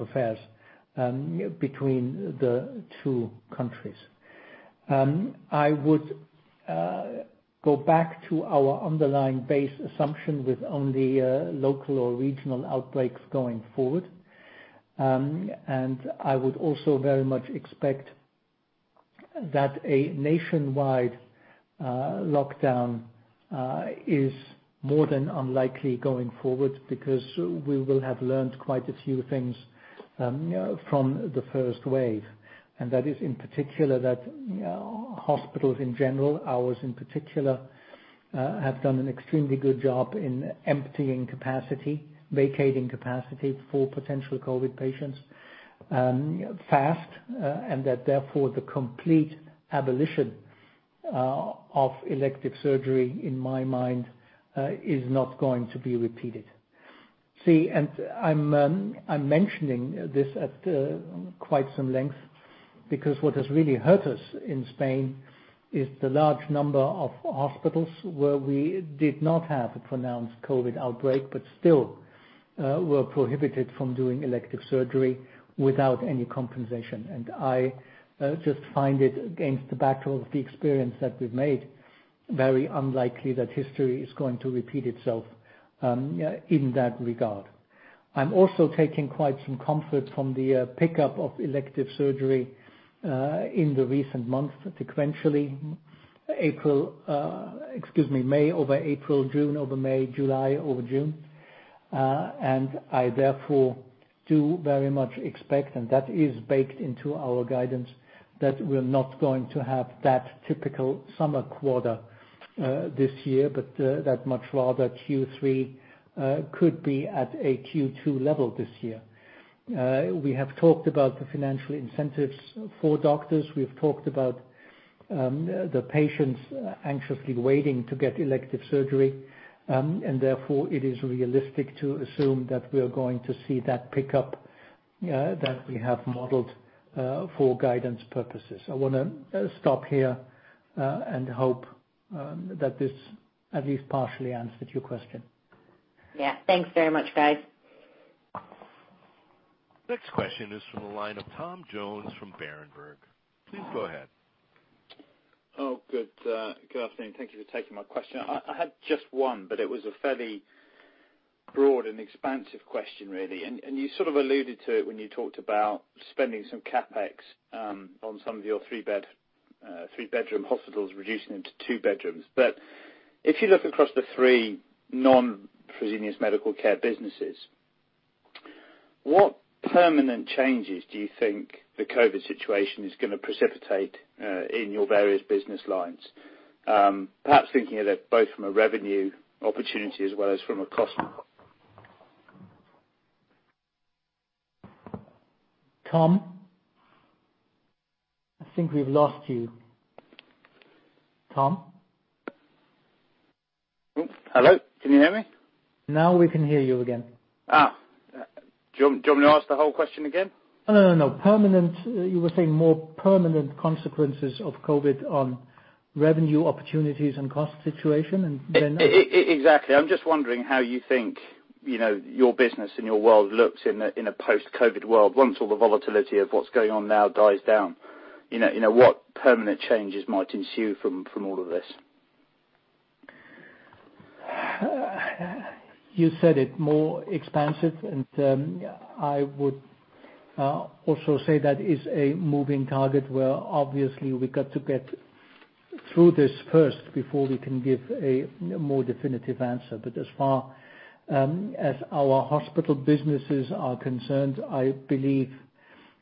Speaker 3: affairs between the two countries. I would go back to our underlying base assumption with only local or regional outbreaks going forward. I would also very much expect that a nationwide lockdown is more than unlikely going forward, because we will have learned quite a few things from the first wave. That is, in particular, that hospitals in general, ours in particular, have done an extremely good job in emptying capacity, vacating capacity for potential COVID patients fast. Therefore, the complete abolition of elective surgery, in my mind, is not going to be repeated. See, I'm mentioning this at quite some length, because what has really hurt us in Spain is the large number of hospitals where we did not have a pronounced COVID-19 outbreak, but still were prohibited from doing elective surgery without any compensation. I just find it, against the backdrop of the experience that we've made, very unlikely that history is going to repeat itself in that regard. I'm also taking quite some comfort from the pickup of elective surgery in the recent months sequentially. April, excuse me, May over April, June over May, July over June. I therefore do very much expect, and that is baked into our guidance, that we're not going to have that typical summer quarter this year, but that much rather Q3 could be at a Q2 level this year. We have talked about the financial incentives for doctors. We have talked about the patients anxiously waiting to get elective surgery. Therefore, it is realistic to assume that we are going to see that pickup that we have modeled for guidance purposes. I want to stop here, and hope that this at least partially answered your question.
Speaker 6: Yeah. Thanks very much, guys.
Speaker 1: Next question is from the line of Tom Jones from Berenberg. Please go ahead.
Speaker 7: Oh, good afternoon. Thank you for taking my question. I had just one, but it was a fairly broad and expansive question, really. You sort of alluded to it when you talked about spending some CapEx on some of your three-bedroom hospitals, reducing them to two bedrooms. If you look across the three non-Fresenius Medical Care businesses, what permanent changes do you think the COVID situation is going to precipitate in your various business lines? Perhaps thinking of it both from a revenue opportunity as well as from a cost.
Speaker 3: Tom, I think we've lost you. Tom?
Speaker 7: Hello? Can you hear me?
Speaker 3: Now we can hear you again.
Speaker 7: Do you want me to ask the whole question again?
Speaker 3: No, no. You were saying more permanent consequences of COVID on revenue opportunities and cost situation and.
Speaker 7: Exactly. I'm just wondering how you think your business and your world looks in a post-COVID world, once all the volatility of what's going on now dies down. What permanent changes might ensue from all of this?
Speaker 3: You said it more expansive. I would also say that is a moving target where obviously we got to get through this first before we can give a more definitive answer. As far as our hospital businesses are concerned, I believe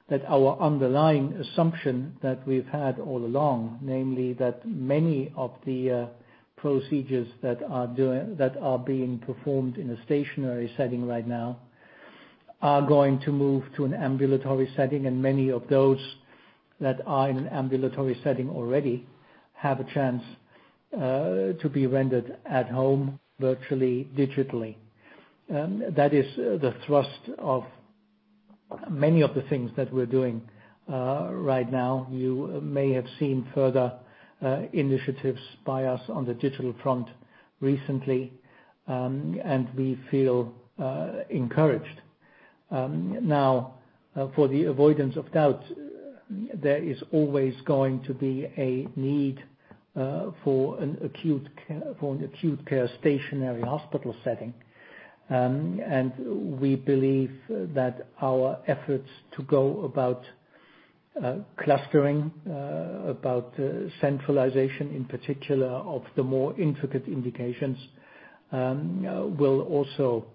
Speaker 3: that our underlying assumption that we've had all along, namely that many of the procedures that are being performed in a stationary setting right now are going to move to an ambulatory setting. Many of those that are in an ambulatory setting already have a chance to be rendered at home virtually, digitally. That is the thrust of many of the things that we're doing right now. You may have seen further initiatives by us on the digital front recently. We feel encouraged. Now, for the avoidance of doubt. There is always going to be a need for an acute care stationary hospital setting. We believe that our efforts to go about clustering, about centralization in particular of the more intricate indications, will also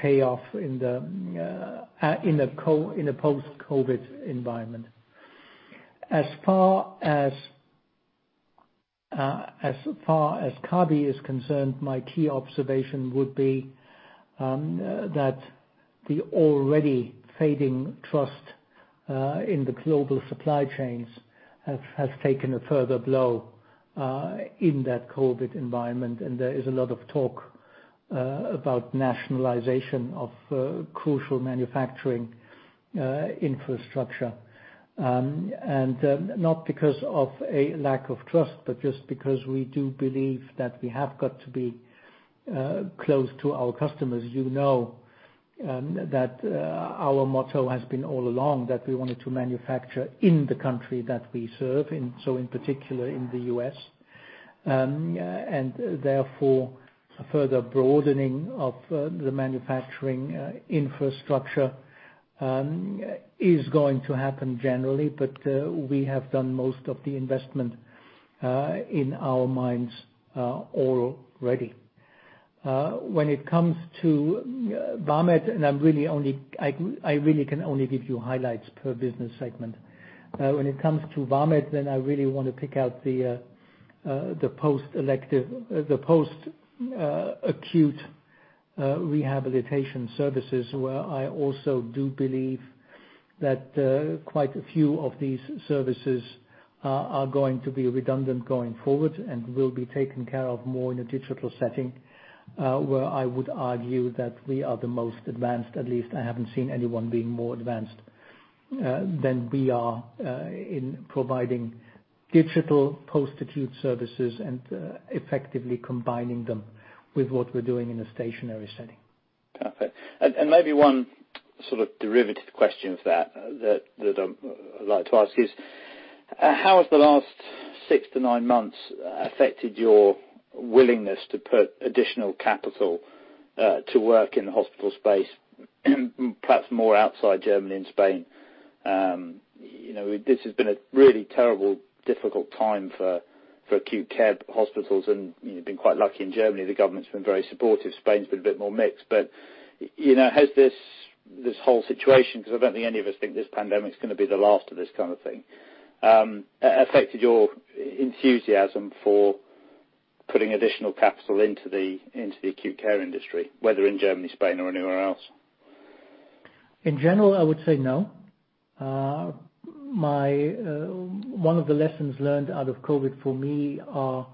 Speaker 3: pay off in a post-COVID environment. As far as Kabi is concerned, my key observation would be that the already fading trust in the global supply chains has taken a further blow in that COVID environment, and there is a lot of talk about nationalization of crucial manufacturing infrastructure. Not because of a lack of trust, but just because we do believe that we have got to be close to our customers. You know that our motto has been all along that we wanted to manufacture in the country that we serve, and so in particular, in the U.S. Therefore, a further broadening of the manufacturing infrastructure is going to happen generally. We have done most of the investment in our main ones already. When it comes to Vamed, I really can only give you highlights per business segment. When it comes to Vamed, I really want to pick out the post-acute rehabilitation services, where I also do believe that quite a few of these services are going to be redundant going forward and will be taken care of more in a digital setting, where I would argue that we are the most advanced. At least I haven't seen anyone being more advanced than we are in providing digital post-acute services and effectively combining them with what we're doing in a stationary setting.
Speaker 7: Perfect. Maybe one sort of derivative question of that I'd like to ask is: How has the last six to nine months affected your willingness to put additional capital to work in the hospital space, perhaps more outside Germany and Spain? This has been a really terrible, difficult time for acute care hospitals, and you've been quite lucky in Germany. The government's been very supportive. Spain's been a bit more mixed. Has this whole situation, because I don't think any of us think this pandemic is going to be the last of this kind of thing, affected your enthusiasm for putting additional capital into the acute care industry, whether in Germany, Spain, or anywhere else?
Speaker 3: In general, I would say no. One of the lessons learned out of COVID-19 for me are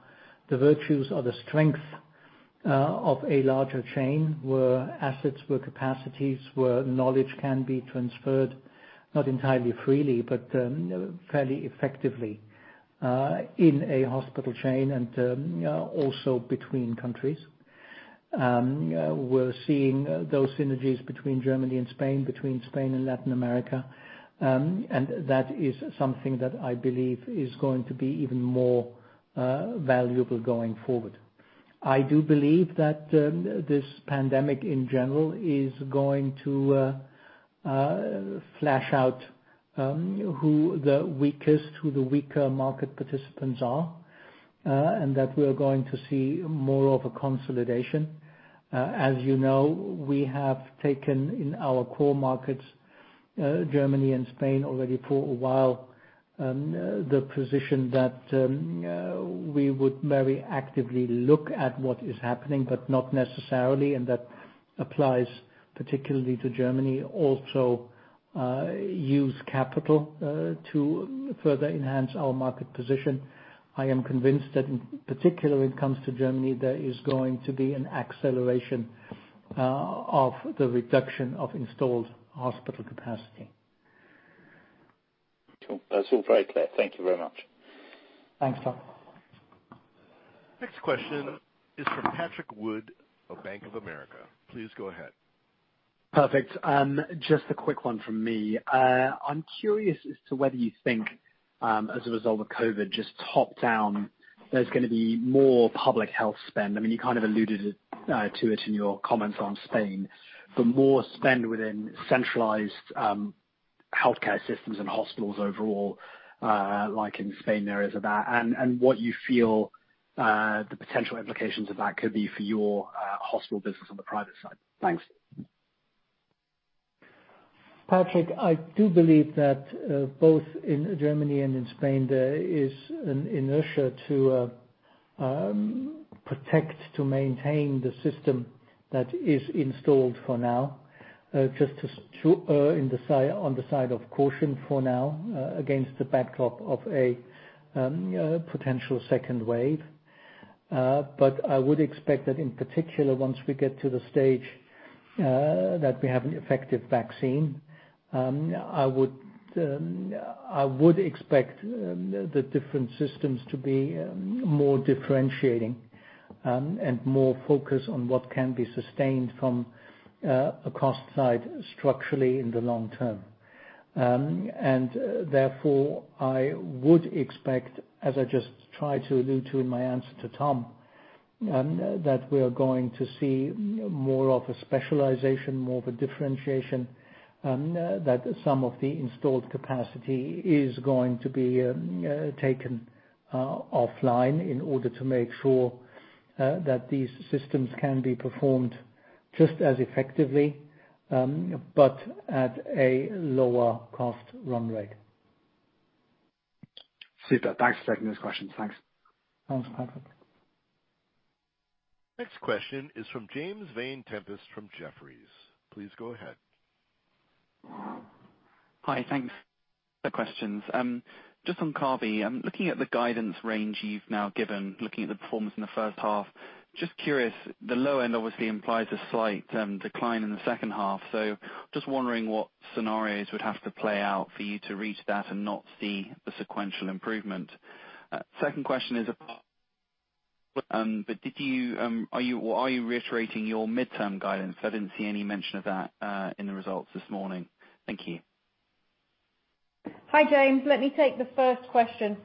Speaker 3: the virtues or the strength of a larger chain, where assets, where capacities, where knowledge can be transferred, not entirely freely, but fairly effectively in a hospital chain and also between countries. We're seeing those synergies between Germany and Spain, between Spain and Latin America. That is something that I believe is going to be even more valuable going forward. I do believe that this pandemic, in general, is going to flash out who the weaker market participants are and that we are going to see more of a consolidation. As you know, we have taken in our core markets, Germany and Spain, already for a while, the position that we would very actively look at what is happening, but not necessarily, and that applies particularly to Germany, also use capital to further enhance our market position. I am convinced that particularly when it comes to Germany, there is going to be an acceleration of the reduction of installed hospital capacity.
Speaker 7: Cool. That's all very clear. Thank you very much.
Speaker 3: Thanks, Tom.
Speaker 1: Next question is from Patrick Wood of Bank of America. Please go ahead.
Speaker 8: Perfect. Just a quick one from me. I'm curious as to whether you think, as a result of COVID-19, just top-down, there's going to be more public health spend. You kind of alluded to it in your comments on Spain. More spend within centralized healthcare systems and hospitals overall, like in Spain, there is that. What you feel the potential implications of that could be for your hospital business on the private side. Thanks.
Speaker 3: Patrick, I do believe that both in Germany and in Spain, there is an inertia to protect, to maintain the system that is installed for now, just on the side of caution for now, against the backdrop of a potential second wave. I would expect that in particular, once we get to the stage that we have an effective vaccine, I would expect the different systems to be more differentiating. More focus on what can be sustained from a cost side structurally in the long term. Therefore, I would expect, as I just tried to allude to in my answer to Tom, that we are going to see more of a specialization, more of a differentiation, that some of the installed capacity is going to be taken offline in order to make sure that these systems can be performed just as effectively, but at a lower cost run rate.
Speaker 8: Super. Thanks for taking this question. Thanks.
Speaker 3: Sounds perfect.
Speaker 1: Next question is from James Vane-Tempest, from Jefferies. Please go ahead.
Speaker 9: Hi, thanks. A couple questions. Just on Kabi, looking at the guidance range you've now given, looking at the performance in the first half, just curious. The low end obviously implies a slight decline in the second half, just wondering what scenarios would have to play out for you to reach that and not see the sequential improvement. Second question is, are you reiterating your midterm guidance? I didn't see any mention of that in the results this morning. Thank you.
Speaker 4: Hi, James. Let me take the first question.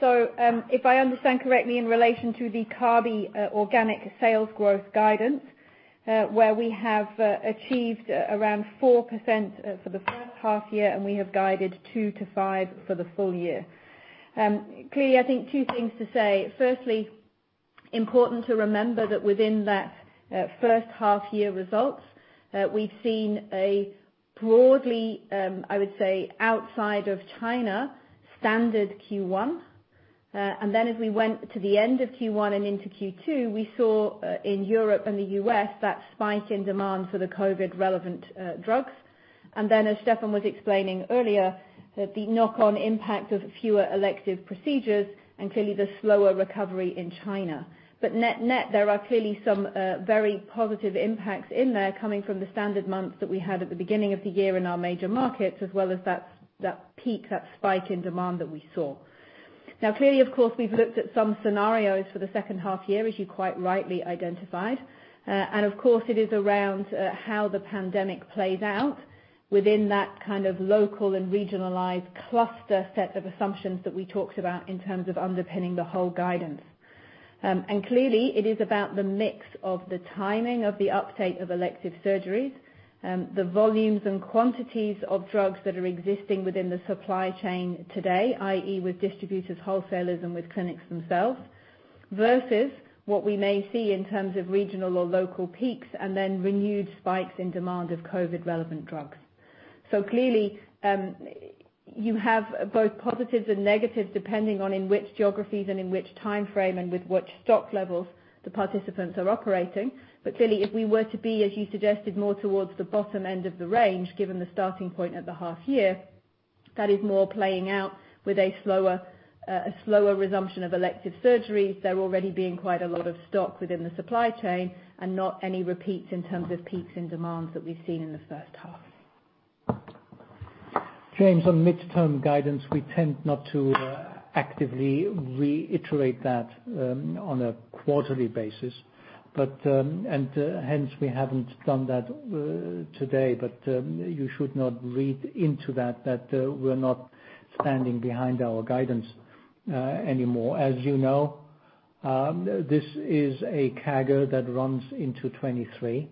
Speaker 4: If I understand correctly, in relation to the Kabi organic sales growth guidance, where we have achieved around 4% for the first half year, and we have guided 2%-5% for the full year. Clearly, I think two things to say. Firstly, important to remember that within that first half year results, we've seen a broadly, I would say, outside of China, standard Q1. As we went to the end of Q1 and into Q2, we saw, in Europe and the U.S., that spike in demand for the COVID relevant drugs. As Stephan was explaining earlier, the knock-on impact of fewer elective procedures and clearly the slower recovery in China. Net, there are clearly some very positive impacts in there coming from the standard months that we had at the beginning of the year in our major markets, as well as that peak, that spike in demand that we saw. Clearly, of course, we've looked at some scenarios for the second half year, as you quite rightly identified. Of course, it is around how the pandemic plays out within that kind of local and regionalized cluster set of assumptions that we talked about in terms of underpinning the whole guidance. Clearly, it is about the mix of the timing of the uptake of elective surgeries, the volumes and quantities of drugs that are existing within the supply chain today, i.e. with distributors, wholesalers, and with clinics themselves, versus what we may see in terms of regional or local peaks, and then renewed spikes in demand of COVID-relevant drugs. Clearly, you have both positives and negatives depending on in which geographies and in which time frame and with which stock levels the participants are operating. Clearly, if we were to be, as you suggested, more towards the bottom end of the range, given the starting point at the half year, that is more playing out with a slower resumption of elective surgeries, there already being quite a lot of stock within the supply chain and not any repeats in terms of peaks in demands that we've seen in the first half.
Speaker 3: James, on midterm guidance, we tend not to actively reiterate that on a quarterly basis. Hence, we haven't done that today. You should not read into that we're not standing behind our guidance anymore. As you know, this is a CAGR that runs into 2023.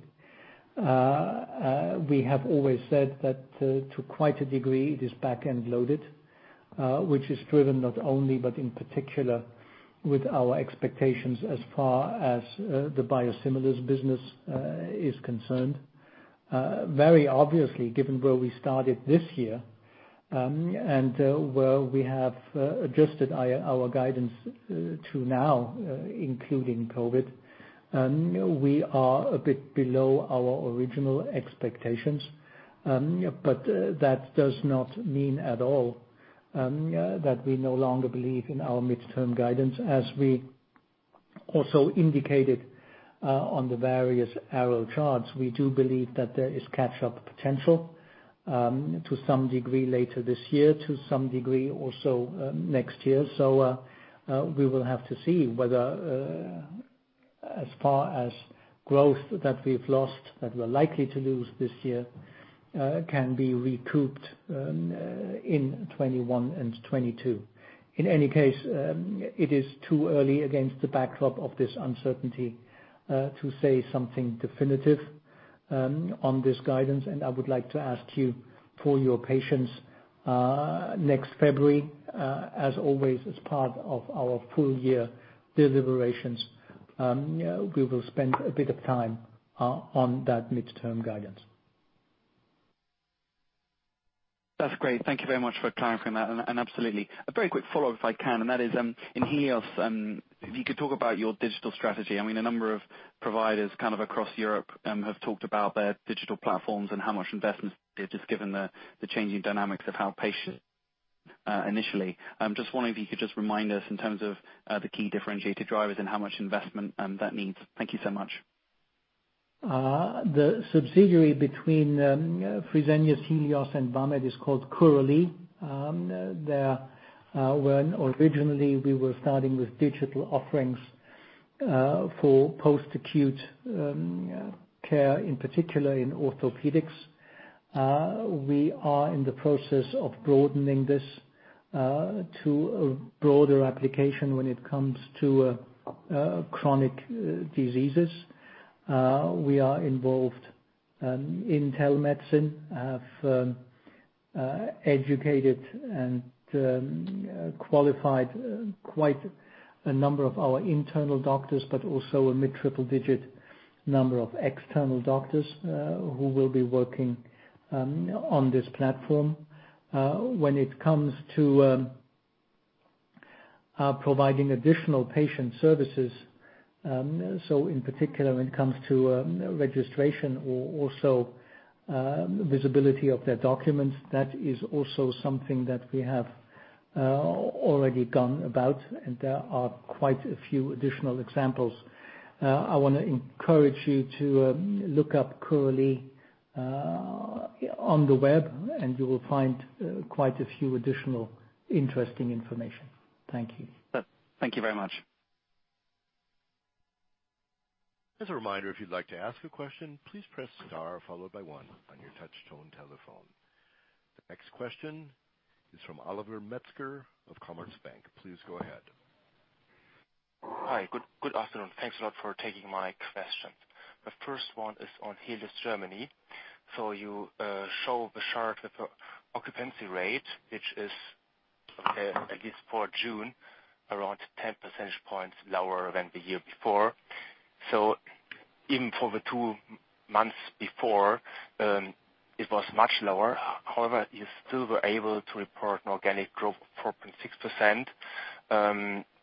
Speaker 3: We have always said that to quite a degree, it is back end loaded, which is driven not only, but in particular with our expectations as far as the biosimilars business is concerned. Very obviously, given where we started this year, and where we have adjusted our guidance to now, including COVID, we are a bit below our original expectations. That does not mean at all that we no longer believe in our midterm guidance. As we also indicated on the various arrow charts, we do believe that there is catch-up potential to some degree later this year, to some degree also next year. We will have to see whether, as far as growth that we've lost, that we're likely to lose this year, can be recouped in 2021 and 2022. In any case, it is too early against the backdrop of this uncertainty to say something definitive on this guidance, and I would like to ask you for your patience. Next February, as always, as part of our full year deliberations, we will spend a bit of time on that midterm guidance.
Speaker 9: That's great. Thank you very much for clarifying that. Absolutely. A very quick follow-up, if I can, and that is in Helios, if you could talk about your digital strategy. I mean, a number of providers kind of across Europe have talked about their digital platforms and how much investments they've just given the changing dynamics of how patients initially. Just wondering if you could just remind us in terms of the key differentiator drivers and how much investment that means. Thank you so much.
Speaker 3: The subsidiary between Fresenius Helios and Vamed is called Curalie. Originally, we were starting with digital offerings for post-acute care, in particular in orthopedics. We are in the process of broadening this to a broader application when it comes to chronic diseases. We are involved in telemedicine, have educated and qualified quite a number of our internal doctors, but also a mid-triple digit number of external doctors who will be working on this platform. When it comes to providing additional patient services, in particular when it comes to registration or also visibility of their documents, that is also something that we have already gone about, and there are quite a few additional examples. I want to encourage you to look up Curalie on the web, and you will find quite a few additional interesting information. Thank you.
Speaker 9: Thank you very much.
Speaker 1: As a reminder, if you'd like to ask a question, please press star followed by one on your touch tone telephone. The next question is from Oliver Metzger of Commerzbank. Please go ahead.
Speaker 10: Hi, good afternoon. Thanks a lot for taking my question. The first one is on Helios Germany. You show the chart with the occupancy rate, which is, at least for June, around 10 percentage points lower than the year before. Even for the two months before, it was much lower. However, you still were able to report an organic growth of 4.6%,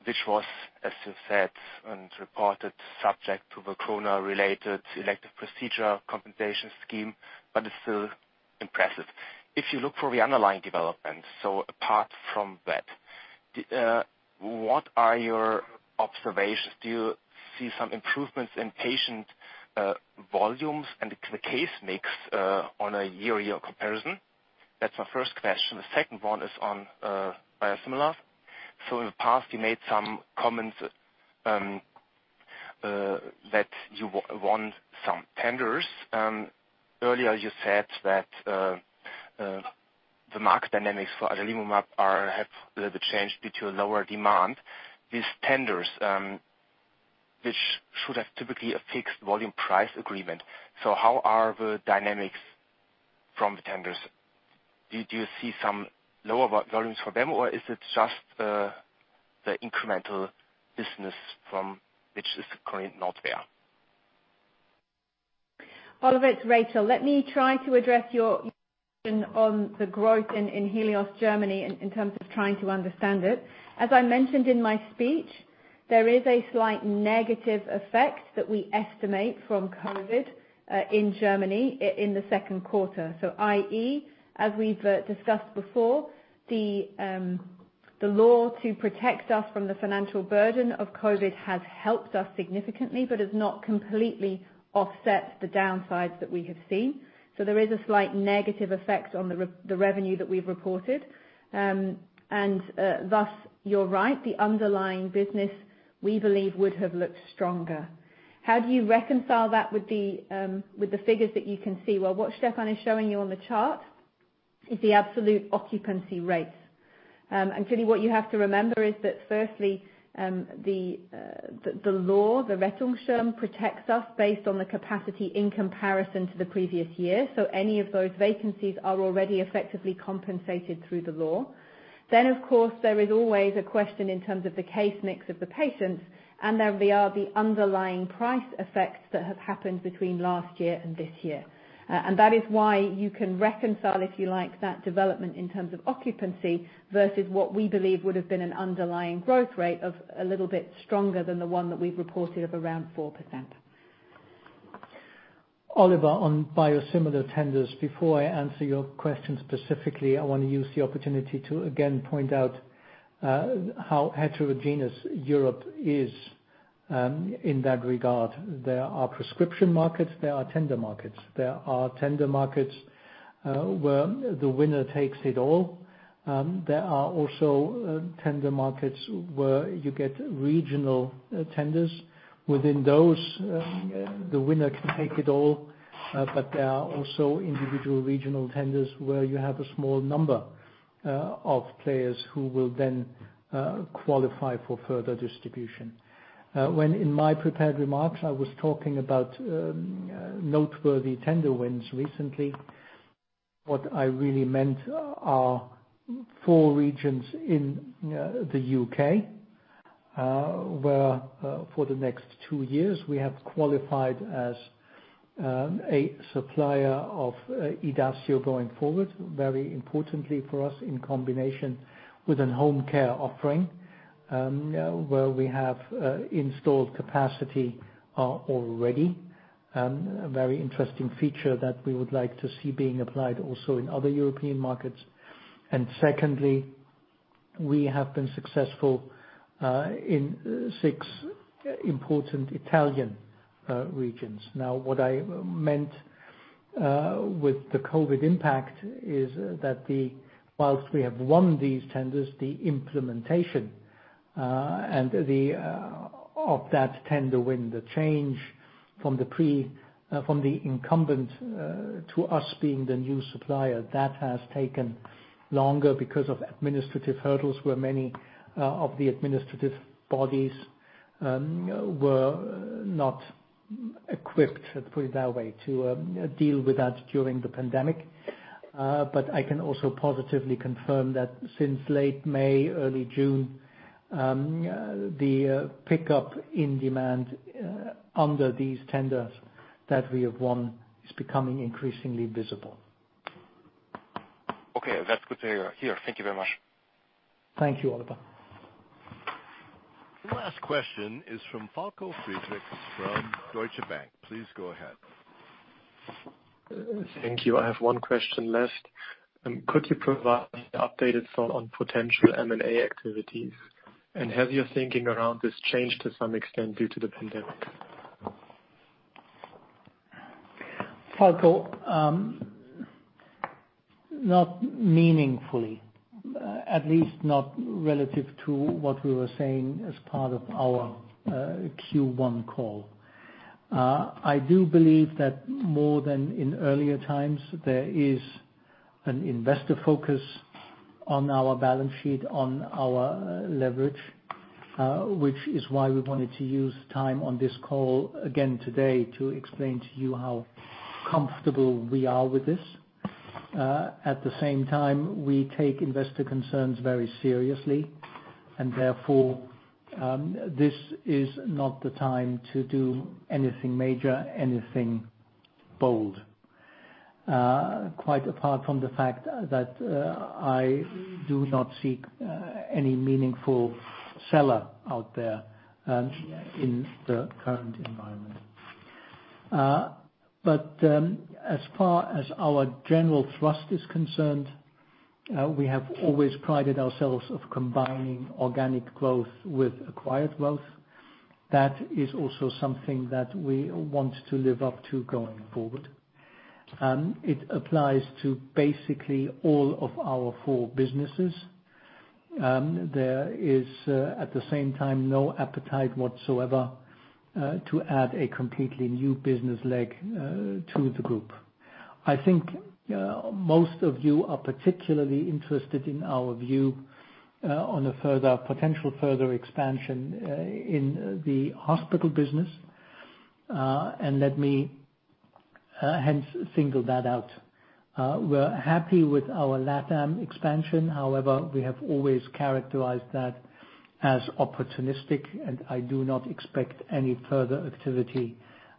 Speaker 10: which was, as you said and reported, subject to the corona-related elective procedure compensation scheme, but it's still impressive. Apart from that, what are your observations? Do you see some improvements in patient volumes and the case mix on a year-over-year comparison? That's my first question. The second one is on biosimilars. In the past, you made some comments that you won some tenders. Earlier you said that the market dynamics for adalimumab have changed due to lower demand. These tenders, which should have typically a fixed volume price agreement. How are the dynamics from the tenders? Did you see some lower volumes for them, or is it just the incremental business from which is currently not there?
Speaker 4: Oliver, it's Rachel. Let me try to address your question on the growth in Helios Germany in terms of trying to understand it. As I mentioned in my speech, there is a slight negative effect that we estimate from COVID in Germany in the second quarter. i.e., as we've discussed before, the law to protect us from the financial burden of COVID has helped us significantly but has not completely offset the downsides that we have seen. Thus, you're right. The underlying business, we believe would have looked stronger. How do you reconcile that with the figures that you can see? What Stephan is showing you on the chart is the absolute occupancy rates. Clearly, what you have to remember is that firstly, the law, the protects us based on the capacity in comparison to the previous year. Any of those vacancies are already effectively compensated through the law. Of course, there is always a question in terms of the case mix of the patients, and there are the underlying price effects that have happened between last year and this year. That is why you can reconcile, if you like, that development in terms of occupancy versus what we believe would have been an underlying growth rate of a little bit stronger than the one that we've reported of around 4%.
Speaker 3: Oliver, on biosimilar tenders, before I answer your question specifically, I want to use the opportunity to again point out how heterogeneous Europe is in that regard. There are prescription markets, there are tender markets. There are tender markets where the winner takes it all. There are also tender markets where you get regional tenders. Within those, the winner can take it all. There are also individual regional tenders where you have a small number of players who will then qualify for further distribution. When in my prepared remarks, I was talking about noteworthy tender wins recently. What I really meant are four regions in the U.K. where for the next two years, we have qualified as a supplier of IDACIO going forward, very importantly for us in combination with an home care offering where we have installed capacity already. A very interesting feature that we would like to see being applied also in other European markets. Secondly, we have been successful in six important Italian regions. Now, what I meant with the COVID-19 impact is that whilst we have won these tenders, the implementation of that tender win, the change from the incumbent to us being the new supplier, that has taken longer because of administrative hurdles, where many of the administrative bodies were not equipped, put it that way, to deal with that during the pandemic. I can also positively confirm that since late May, early June, the pickup in demand under these tenders that we have won is becoming increasingly visible.
Speaker 10: Okay, that's good to hear. Thank you very much.
Speaker 3: Thank you, Oliver.
Speaker 1: Last question is from Falko Friedrichs from Deutsche Bank. Please go ahead.
Speaker 11: Thank you. I have one question left. Could you provide an updated thought on potential M&A activities? Has your thinking around this changed to some extent due to the pandemic?
Speaker 3: Falko, not meaningfully. At least not relative to what we were saying as part of our Q1 call. I do believe that more than in earlier times, there is an investor focus on our balance sheet, on our leverage, which is why we wanted to use time on this call again today to explain to you how comfortable we are with this. At the same time, we take investor concerns very seriously, and therefore, this is not the time to do anything major, anything bold. Quite apart from the fact that I do not see any meaningful seller out there in the current environment. As far as our general thrust is concerned, we have always prided ourselves of combining organic growth with acquired growth. That is also something that we want to live up to going forward. It applies to basically all of our four businesses. There is, at the same time, no appetite whatsoever to add a completely new business leg to the group. I think most of you are particularly interested in our view on a potential further expansion in the hospital business. Let me hence single that out. We're happy with our LATAM expansion. However, we have always characterized that as opportunistic, and I do not expect any further activity,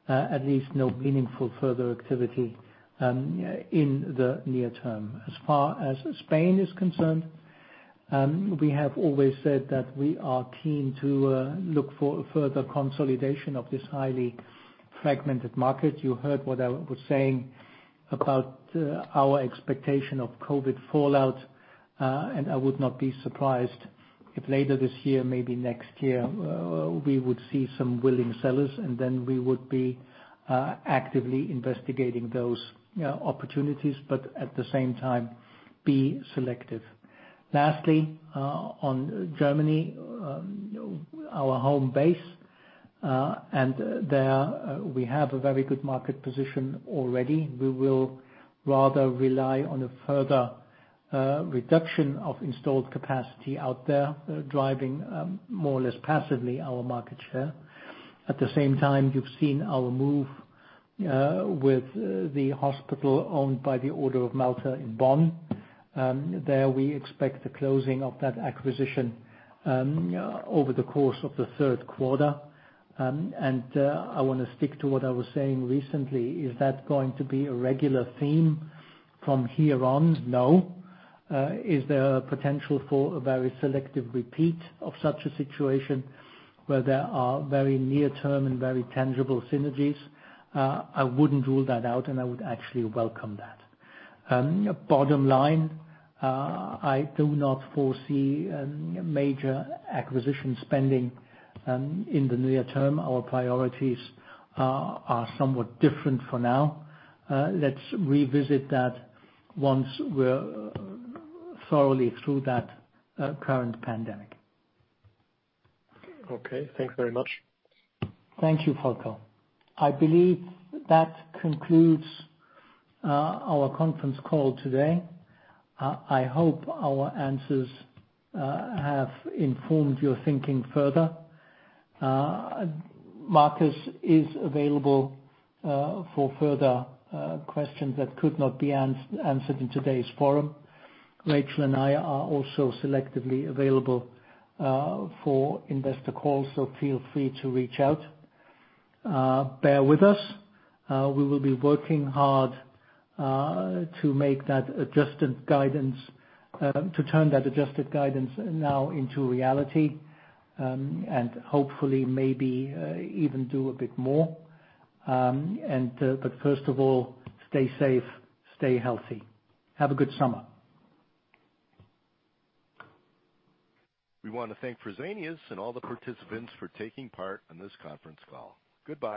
Speaker 3: at least no meaningful further activity, in the near term. As far as Spain is concerned, we have always said that we are keen to look for further consolidation of this highly fragmented market. You heard what I was saying about our expectation of COVID fallout, and I would not be surprised if later this year, maybe next year, we would see some willing sellers, and then we would be actively investigating those opportunities, but at the same time, be selective. Lastly, on Germany, our home base, and there we have a very good market position already. We will rather rely on a further reduction of installed capacity out there, driving more or less passively our market share. At the same time, you've seen our move with the hospital owned by the Order of Malta in Bonn. There we expect the closing of that acquisition over the course of the third quarter, and I want to stick to what I was saying recently. Is that going to be a regular theme from here on? No. Is there a potential for a very selective repeat of such a situation where there are very near-term and very tangible synergies? I wouldn't rule that out, and I would actually welcome that. Bottom line, I do not foresee major acquisition spending in the near term. Our priorities are somewhat different for now. Let's revisit that once we're thoroughly through that current pandemic.
Speaker 11: Okay, thanks very much.
Speaker 3: Thank you, Falko. I believe that concludes our conference call today. I hope our answers have informed your thinking further. Markus is available for further questions that could not be answered in today's forum. Rachel and I are also selectively available for investor calls, feel free to reach out. Bear with us. We will be working hard to turn that adjusted guidance now into reality. Hopefully, maybe even do a bit more. First of all, stay safe, stay healthy. Have a good summer.
Speaker 1: We want to thank Fresenius and all the participants for taking part in this conference call. Goodbye.